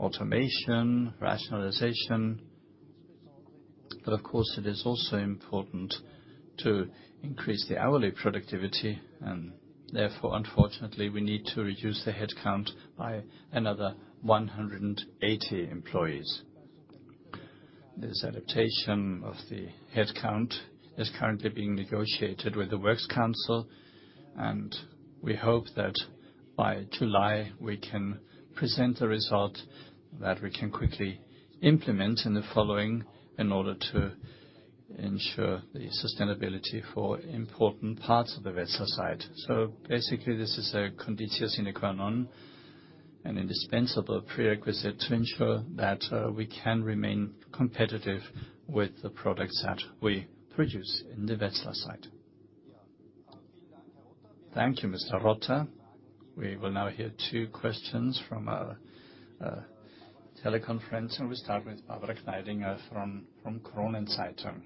[SPEAKER 1] automation, rationalization. It is also important to increase the hourly productivity, and therefore, unfortunately, we need to reduce the headcount by another 180 employees. This adaptation of the headcount is currently being negotiated with the works council, and we hope that by July, we can present a result that we can quickly implement in the following, in order to ensure the sustainability for important parts of the Wetzlar site. This is a condition sine qua non, an indispensable prerequisite to ensure that we can remain competitive with the products that we produce in the Wetzlar site. Thank you, Mr. Rotter. We will now hear two questions from our teleconference. We start with Barbara Kneidinger from Kronen Zeitung.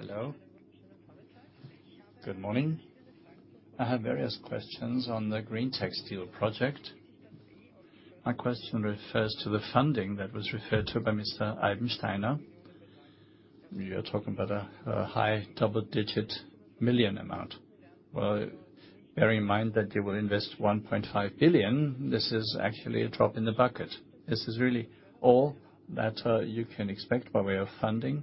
[SPEAKER 1] Hello.
[SPEAKER 6] Good morning. I have various questions on the greentec steel project. My question refers to the funding that was referred to by Mr. Eibensteiner. We are talking about a high double-digit million amount. Bear in mind that they will invest 1.5 billion, this is actually a drop in the bucket. This is really all that you can expect by way of funding?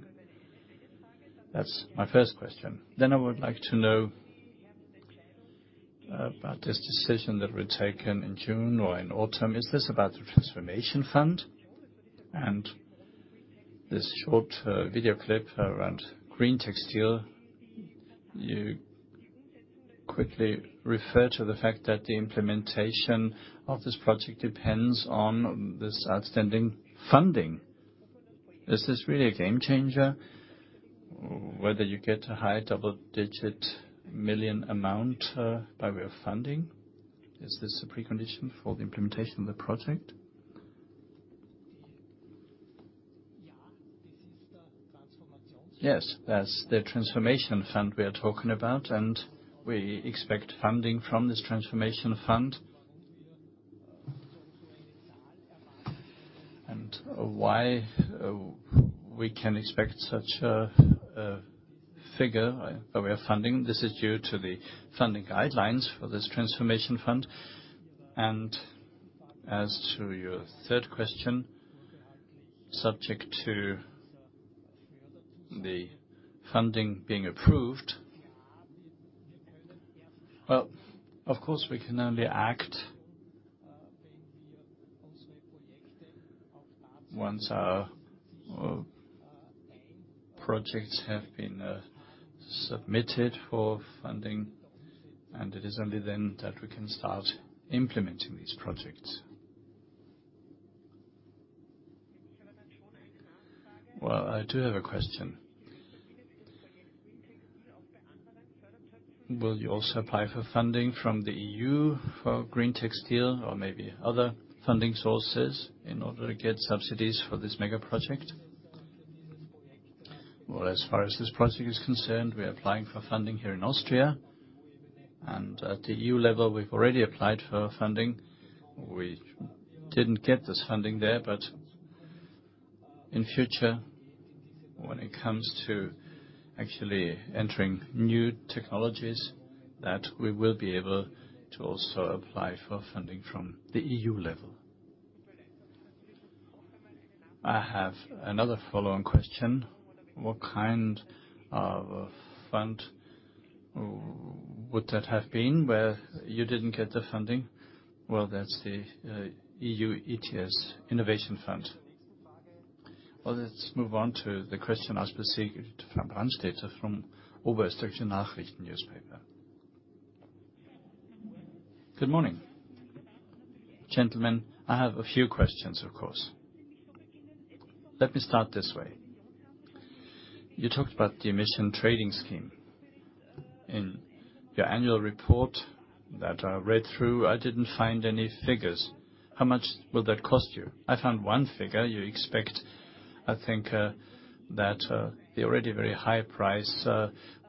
[SPEAKER 6] That's my first question. I would like to know about this decision that will be taken in June or in autumn, is this about the Transformation Fund? This short video clip around greentec steel, you quickly refer to the fact that the implementation of this project depends on this outstanding funding. Is this really a game changer, whether you get a high double-digit million amount by way of funding? Is this a precondition for the implementation of the project?
[SPEAKER 1] Yes, that's the transformation fund we are talking about, and we expect funding from this transformation fund. Why we can expect such a figure by way of funding, this is due to the funding guidelines for this transformation fund. As to your third question, subject to the funding being approved, well, of course, we can only act once our projects have been submitted for funding, and it is only then that we can start implementing these projects. Well, I do have a question. Will you also apply for funding from the EU for greentec steel or maybe other funding sources in order to get subsidies for this mega project? Well, as far as this project is concerned, we are applying for funding here in Austria, and at the EU level, we've already applied for funding. We didn't get this funding there, but in future, when it comes to actually entering new technologies, that we will be able to also apply for funding from the EU level. I have another follow-on question. What kind of fund would that have been, where you didn't get the funding? Well, that's the EU ETS Innovation Fund. Well, let's move on to the question asked by Frank Brandstetter from Oberösterreichische Nachrichten Newspaper.
[SPEAKER 6] Good morning. Gentlemen, I have a few questions, of course. Let me start this way. You talked about the emission trading scheme. In your annual report that I read through, I didn't find any figures. How much will that cost you? I found one figure you expect, I think, that the already very high price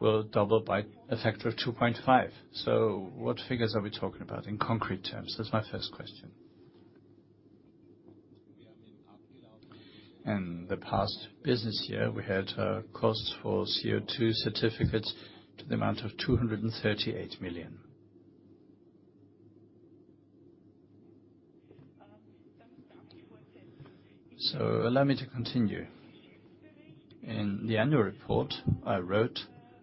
[SPEAKER 6] will double by a factor of 2.5. What figures are we talking about in concrete terms? That's my first question.
[SPEAKER 1] In the past business year, we had costs for CO2 certificates to the amount of 238 million. Allow me to continue. In the annual report, I wrote,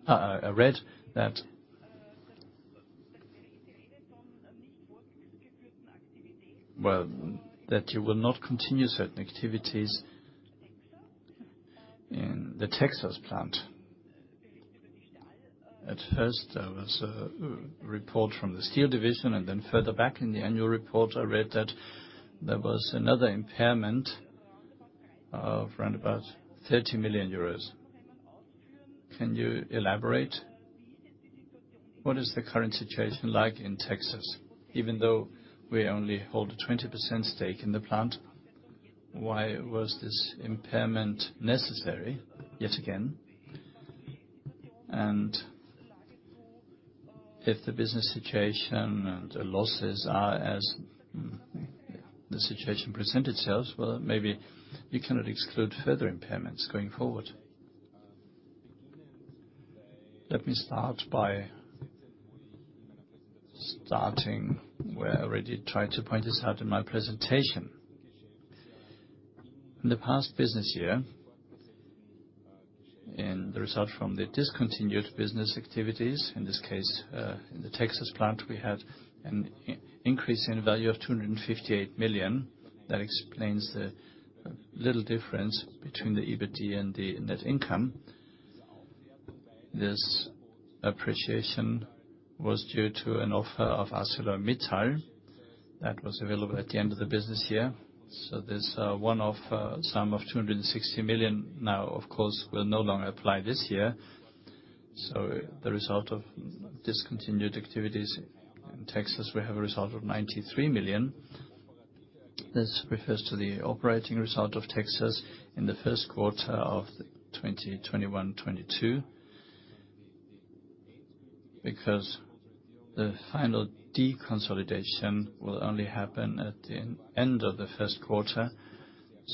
[SPEAKER 1] I read that you will not continue certain activities in the Texas plant. At first, there was a report from the Steel Division, and then further back in the annual report, I read that there was another impairment of round about 30 million euros. Can you elaborate? What is the current situation like in Texas, even though we only hold a 20% stake in the plant? Why was this impairment necessary, yet again? If the business situation and the losses are as the situation presented itself, well, maybe you cannot exclude further impairments going forward. Let me start by starting where I already tried to point this out in my presentation. In the past business year, in the result from the discontinued business activities, in this case, in the Texas plant, we had an increase in value of 258 million. That explains the little difference between the EBITDA and the net income. This appreciation was due to an offer of ArcelorMittal that was available at the end of the business year. This one-off sum of 260 million now, of course, will no longer apply this year. The result of discontinued activities in Texas, we have a result of 93 million. This refers to the operating result of Texas in the first quarter of 2021, 2022. The final deconsolidation will only happen at the end of the first quarter,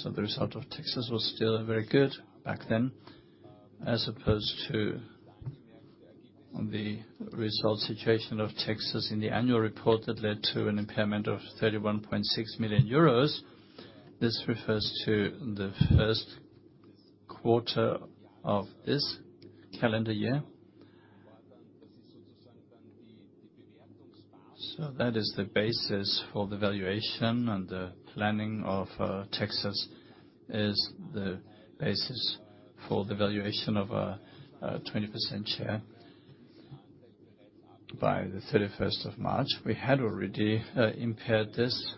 [SPEAKER 1] the result of Texas was still very good back then, as opposed to the result situation of Texas in the annual report that led to an impairment of 31.6 million euros. This refers to the first quarter of this calendar year. That is the basis for the valuation, and the planning of Texas is the basis for the valuation of a 20% share. By the 31st of March, we had already impaired this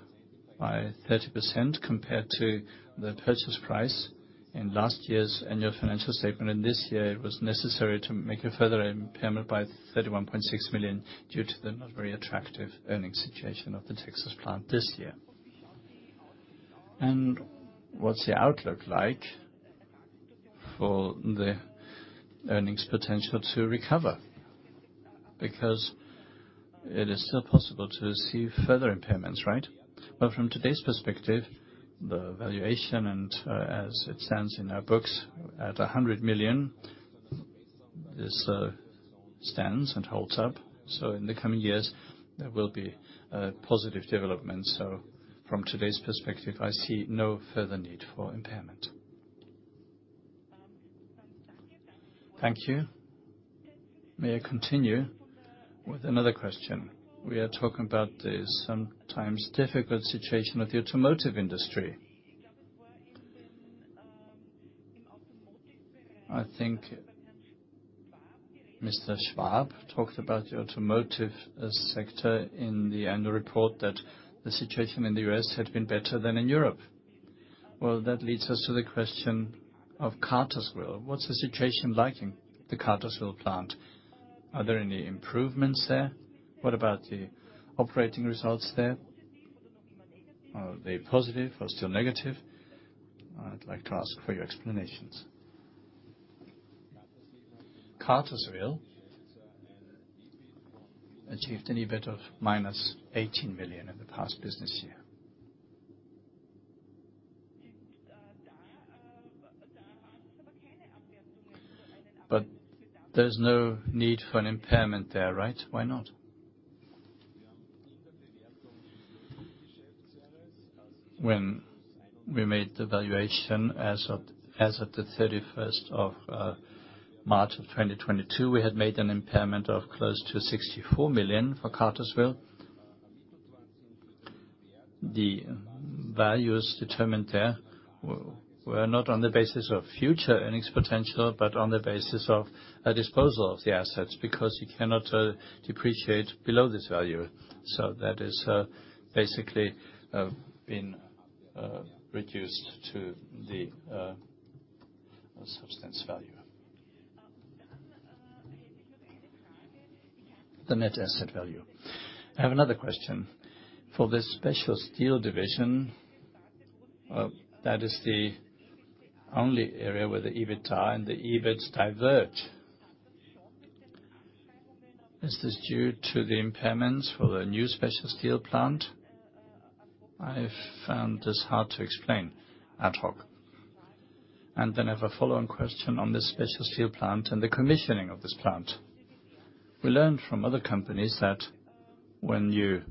[SPEAKER 1] by 30% compared to the purchase price in last year's annual financial statement. This year, it was necessary to make a further impairment by 31.6 million, due to the not very attractive earning situation of the Texas plant this year. What's the outlook like for the earnings potential to recover? Because it is still possible to see further impairments, right? Well, from today's perspective, the valuation, as it stands in our books at 100 million, this stands and holds up. In the coming years, there will be positive developments. From today's perspective, I see no further need for impairment.
[SPEAKER 6] Thank you. May I continue with another question? We are talking about the sometimes difficult situation of the automotive industry. I think Mr. Schwab talked about the automotive sector in the annual report, that the situation in the U.S. had been better than in Europe. That leads us to the question of Cartersville. What's the situation like in the Cartersville plant? Are there any improvements there? What about the operating results there? Are they positive or still negative? I'd like to ask for your explanations.
[SPEAKER 1] Cartersville achieved an EBIT of minus 18 million in the past business year. There's no need for an impairment there, right? Why not? When we made the valuation as of the 31st of March of 2022, we had made an impairment of close to 64 million for Cartersville. The values determined there were not on the basis of future earnings potential, but on the basis of a disposal of the assets, because you cannot depreciate below this value. That is basically been reduced to the substance value. The net asset value. I have another question. For the special steel division, that is the only area where the EBITDA and the EBIT divert. Is this due to the impairments for the new special steel plant? I find this hard to explain ad hoc. I have a follow-on question on this special steel plant and the commissioning of this plant. We learned from other companies that when you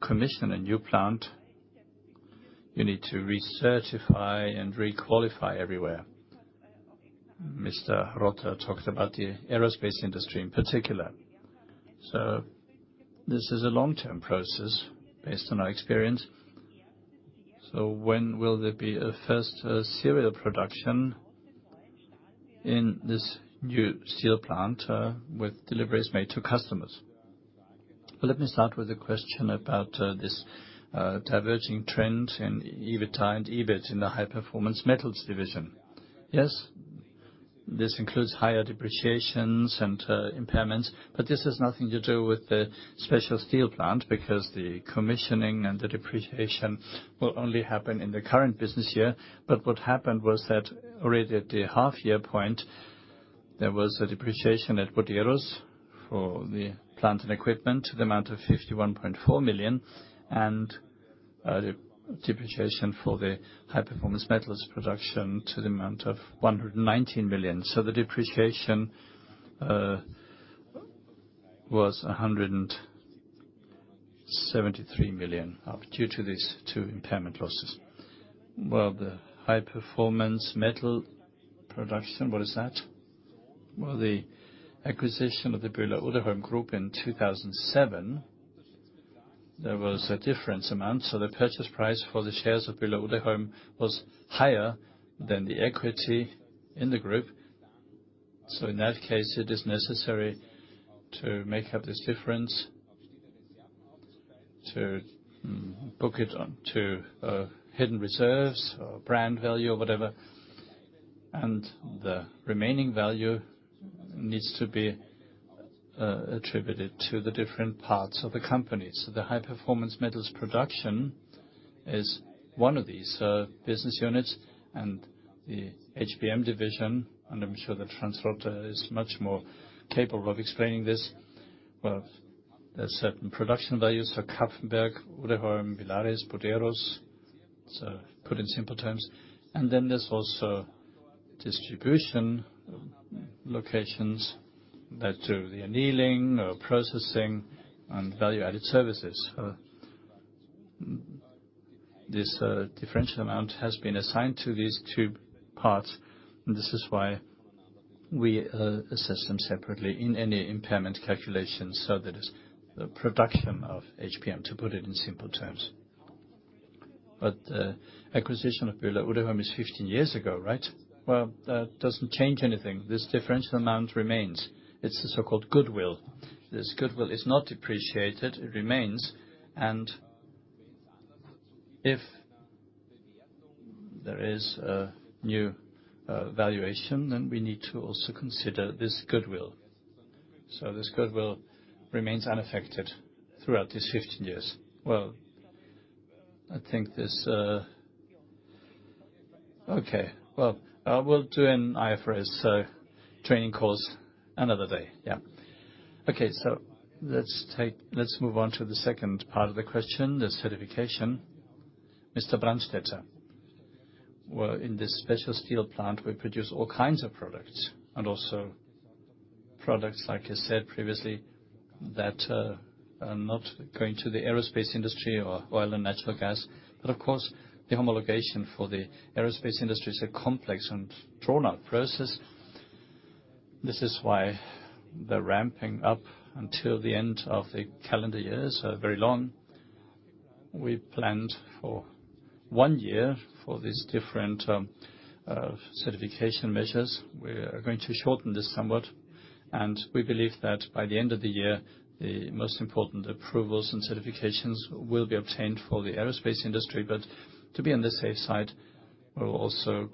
[SPEAKER 1] commission a new plant, you need to recertify and requalify everywhere. Mr. Rotter talked about the aerospace industry, in particular. This is a long-term process, based on our experience. When will there be a first serial production in this new steel plant, with deliveries made to customers? Let me start with the question about this diverging trend in EBITDA and EBIT in the High Performance Metals Division. Yes, this includes higher depreciations and impairments, this has nothing to do with the special steel plant, because the commissioning and the depreciation will only happen in the current business year. What happened was that already at the half-year point, there was a depreciation at Buderus for the plant and equipment to the amount of 51.4 million, and depreciation for the High Performance Metals production to the amount of 119 million. The depreciation was 173 million due to these two impairment losses. The High Performance Metals production, what is that? The acquisition of the Böhler-Uddeholm group in 2007, there was a difference amount, so the purchase price for the shares of Böhler-Uddeholm was higher than the equity in the group. In that case, it is necessary to make up this difference, to book it on to hidden reserves or brand value or whatever. The remaining value needs to be attributed to the different parts of the company. The High Performance Metals production is one of these business units, and the HPM division, and I'm sure that Franz Rotter is much more capable of explaining this. There are certain production values for Kapfenberg, Uddeholm, Villares, Bodegraven, so put in simple terms, and then there's also distribution locations that do the annealing or processing and value-added services. This differential amount has been assigned to these two parts, and this is why we assess them separately in any impairment calculation, so that is the production of HPM, to put it in simple terms. The acquisition of Uddeholm is 15 years ago, right? Well, that doesn't change anything. This differential amount remains. It's the so-called goodwill. This goodwill is not depreciated, it remains, and if there is a new valuation, then we need to also consider this goodwill. This goodwill remains unaffected throughout these 15 years. Well, I think this. Okay, well, I will do an IFRS training course another day. Yeah. Okay, let's move on to the second part of the question, the certification. Mr. Brandstetter. Well, in this special steel plant, we produce all kinds of products, and also products, like you said previously, that are not going to the aerospace industry or oil and natural gas. Of course, the homologation for the aerospace industry is a complex and drawn-out process. This is why the ramping up until the end of the calendar year is very long. We planned for one year for these different certification measures. We are going to shorten this somewhat, and we believe that by the end of the year, the most important approvals and certifications will be obtained for the aerospace industry. To be on the safe side, we will also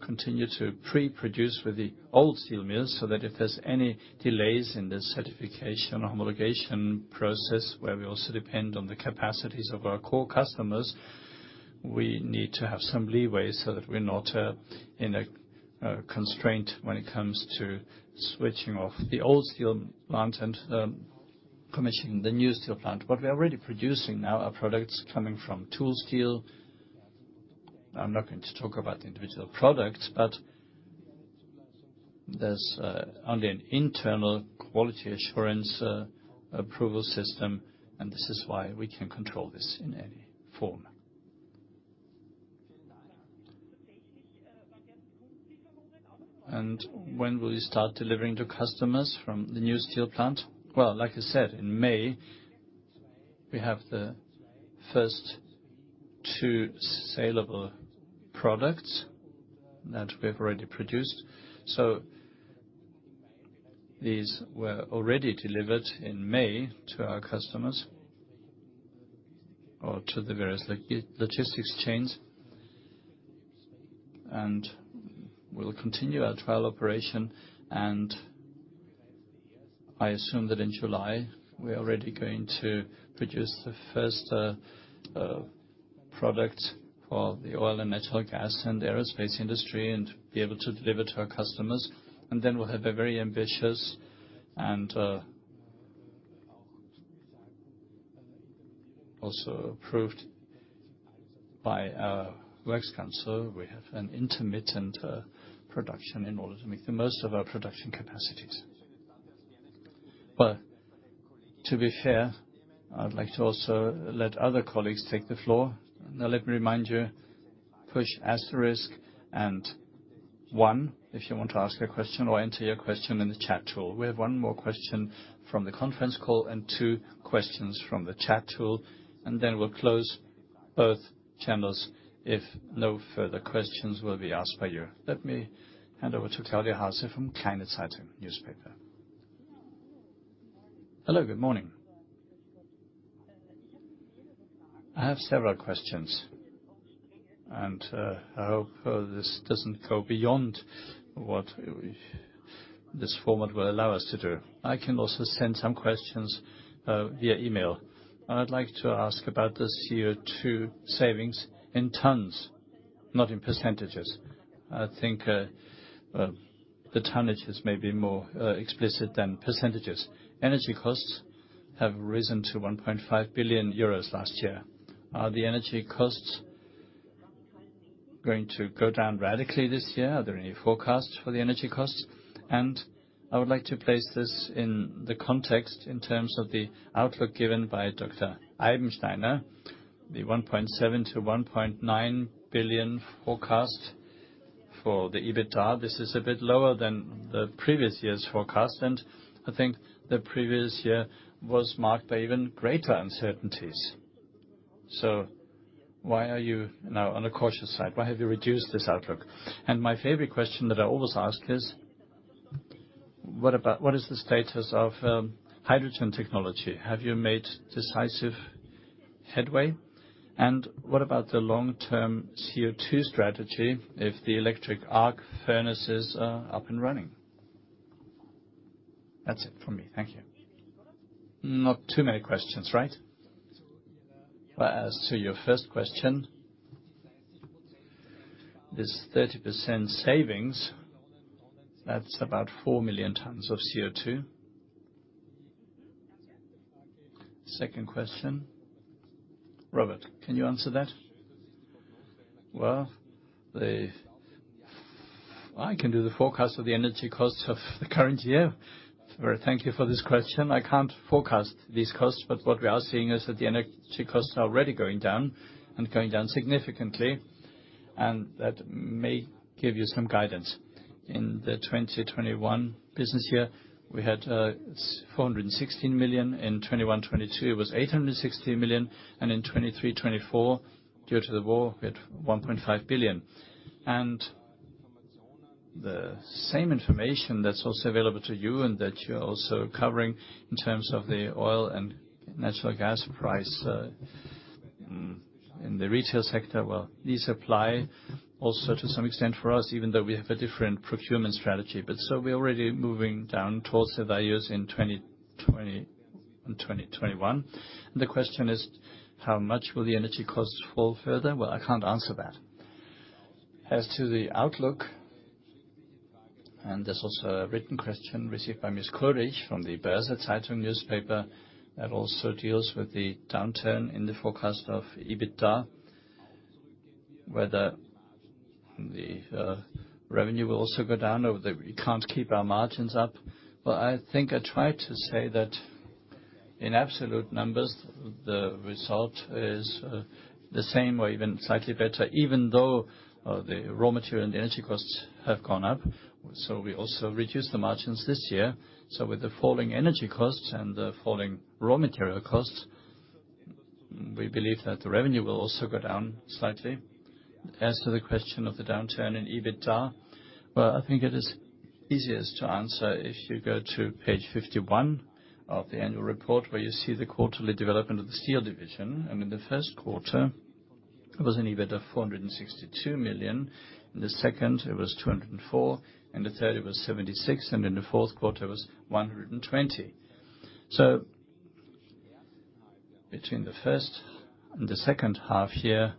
[SPEAKER 1] continue to pre-produce with the old steel mills, so that if there's any delays in the certification or homologation process, where we also depend on the capacities of our core customers, we need to have some leeway so that we're not in a constraint when it comes to switching off the old steel plant and commissioning the new steel plant. What we are already producing now are products coming from tool steel. I'm not going to talk about the individual products, but there's only an internal quality assurance approval system, and this is why we can control this in any form. When will you start delivering to customers from the new steel plant? Well, like I said, in May, we have the first two salable products that we have already produced. These were already delivered in May to our customers or to the various logistics chains. We'll continue our trial operation, and I assume that in July, we're already going to produce the first product for the oil and natural gas and the aerospace industry and be able to deliver to our customers. Then we'll have a very ambitious and also approved by our works council, we have an intermittent production in order to make the most of our production capacities. Well, to be fair, I'd like to also let other colleagues take the floor. Now, let me remind you, push asterisk and one if you want to ask a question or enter your question in the chat tool. We have one more question from the conference call and two questions from the chat tool. Then we'll close both channels if no further questions will be asked by you. Let me hand over to Claudia Haase from Kleine Zeitung Newspaper.
[SPEAKER 6] Hello, good morning. I have several questions. I hope this doesn't go beyond this format will allow us to do. I can also send some questions via email. I'd like to ask about this year two savings in tons, not in percentages. I think the tonnages may be more explicit than percentages. Energy costs have risen to 1.5 billion euros last year. Are the energy costs going to go down radically this year? Are there any forecasts for the energy costs? I would like to place this in the context in terms of the outlook given by Dr. Eibensteiner, the 1.7 billion-1.9 billion forecast for the EBITDA. This is a bit lower than the previous year's forecast, and I think the previous year was marked by even greater uncertainties. Why are you now on the cautious side? Why have you reduced this outlook? My favorite question that I always ask is: What about, what is the status of hydrogen technology? Have you made decisive headway? What about the long-term CO2 strategy if the electric arc furnaces are up and running? That's it from me. Thank you.
[SPEAKER 1] Not too many questions, right? As to your first question, this 30% savings, that's about 4 million tons of CO2. Second question, Robert, can you answer that?
[SPEAKER 4] Well, I can do the forecast of the energy costs of the current year. Thank you for this question. I can't forecast these costs, but what we are seeing is that the energy costs are already going down, and going down significantly, and that may give you some guidance. In the 2021 business year, we had 416 million, in 2022, it was 860 million, and in 2023, 2024, due to the war, we had 1.5 billion. The same information that's also available to you, and that you're also covering in terms of the oil and natural gas price, in the retail sector, well, these apply also to some extent for us, even though we have a different procurement strategy. We're already moving down towards the values in 2020 and 2021.
[SPEAKER 6] The question is, how much will the energy costs fall further? Well, I can't answer that. As to the outlook, there's also a written question received by Isabel Claeys from the Börsen-Zeitung Newspaper, that also deals with the downturn in the forecast of EBITDA, whether the revenue will also go down or whether we can't keep our margins up.
[SPEAKER 1] I think I tried to say that in absolute numbers, the result is the same or even slightly better, even though the raw material and the energy costs have gone up. We also reduced the margins this year. With the falling energy costs and the falling raw material costs, we believe that the revenue will also go down slightly. As to the question of the downturn in EBITDA, I think it is easiest to answer if you go to page 51 of the annual report, where you see the quarterly development of the Steel Division. The first quarter, it was an EBITDA of 462 million, in the second, it was 204 million, in the third, it was 76 million, and in the fourth quarter, it was 120 million. Between the first and the second half year,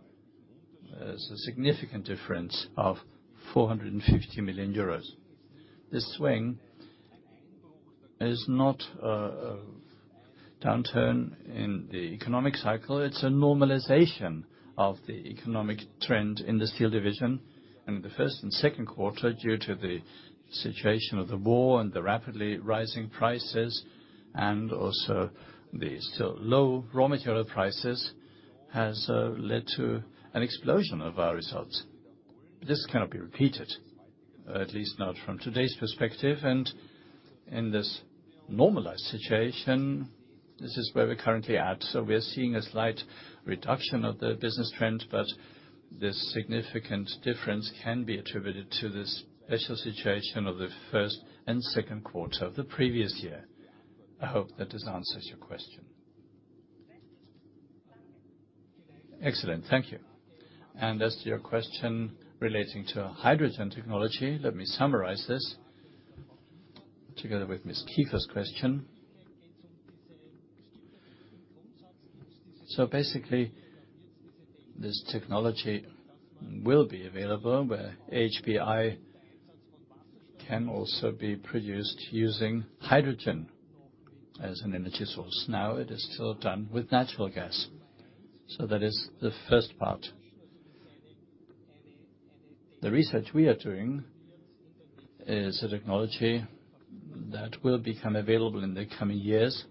[SPEAKER 1] there's a significant difference of 450 million euros. This swing is not a downturn in the economic cycle, it's a normalization of the economic trend in the Steel Division. In the first and second quarter, due to the situation of the war and the rapidly rising prices, and also the still low raw material prices, has led to an explosion of our results. This cannot be repeated, at least not from today's perspective. In this normalized situation, this is where we're currently at. We are seeing a slight reduction of the business trend, but this significant difference can be attributed to the special situation of the first and second quarter of the previous year. I hope that this answers your question.
[SPEAKER 6] Excellent. Thank you.
[SPEAKER 1] As to your question relating to hydrogen technology, let me summarize this, together with Ms. Kiefer's question. Basically, this technology will be available, where HBI can also be produced using hydrogen as an energy source. It is still done with natural gas. That is the first part. The research we are doing is a technology that will become available in the coming years.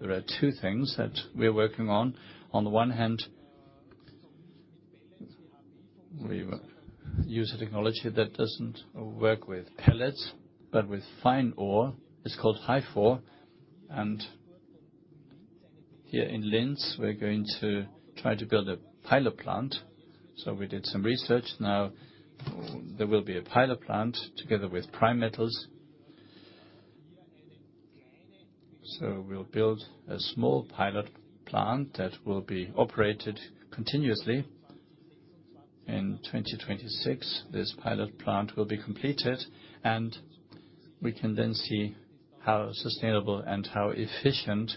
[SPEAKER 1] There are two things that we're working on. On the one hand, we use a technology that doesn't work with pellets, but with fine ore. It's called Hy4. Here in Linz, we're going to try to build a pilot plant. We did some research. There will be a pilot plant together with Primetals Technologies. We'll build a small pilot plant that will be operated continuously. In 2026, this pilot plant will be completed. We can then see how sustainable and how efficient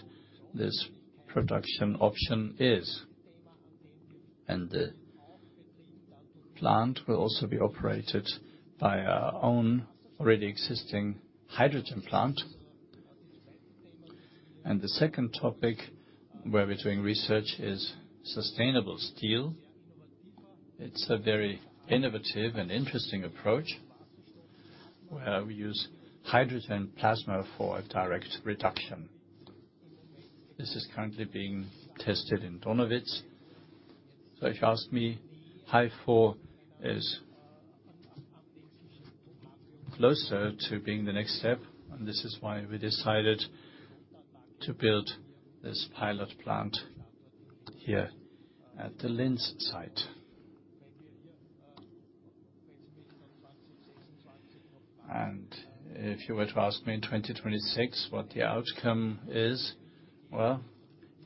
[SPEAKER 1] this production option is. The plant will also be operated by our own already existing hydrogen plant. The second topic, where we're doing research, is sustainable steel. It's a very innovative and interesting approach, where we use hydrogen plasma for a direct reduction. This is currently being tested in Donawitz. If you ask me, HYFOR is closer to being the next step, and this is why we decided to build this pilot plant here at the Linz site. If you were to ask me in 2026 what the outcome is, well,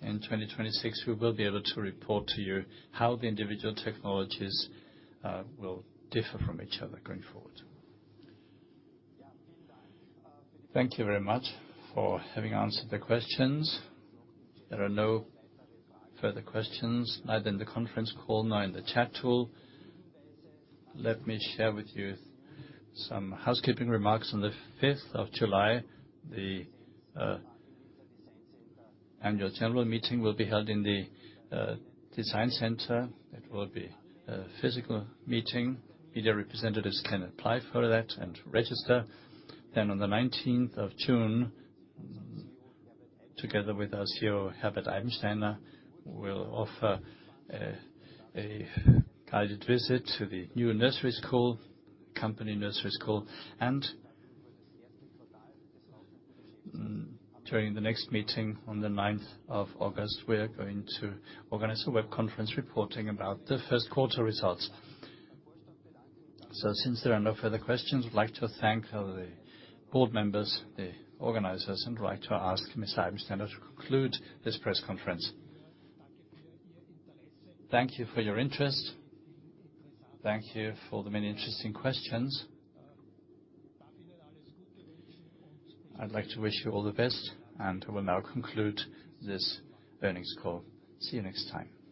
[SPEAKER 1] in 2026, we will be able to report to you how the individual technologies will differ from each other going forward. Thank you very much for having answered the questions. There are no further questions, neither in the conference call, nor in the chat tool. Let me share with you some housekeeping remarks. On the 5th July, the annual general meeting will be held in the Design Center Linz. It will be a physical meeting. Media representatives can apply for that and register. On the 19th June, together with our CEO Herbert Eibensteiner, we'll offer a guided visit to the new nursery school, company nursery school. During the next meeting on the 9th of August, we are going to organize a web conference reporting about the first quarter results. Since there are no further questions, I'd like to thank the board members, the organizers, and like to ask Ms. Eibensteiner to conclude this press conference. Thank you for your interest. Thank you for the many interesting questions. I'd like to wish you all the best, and will now conclude this earnings call. See you next time.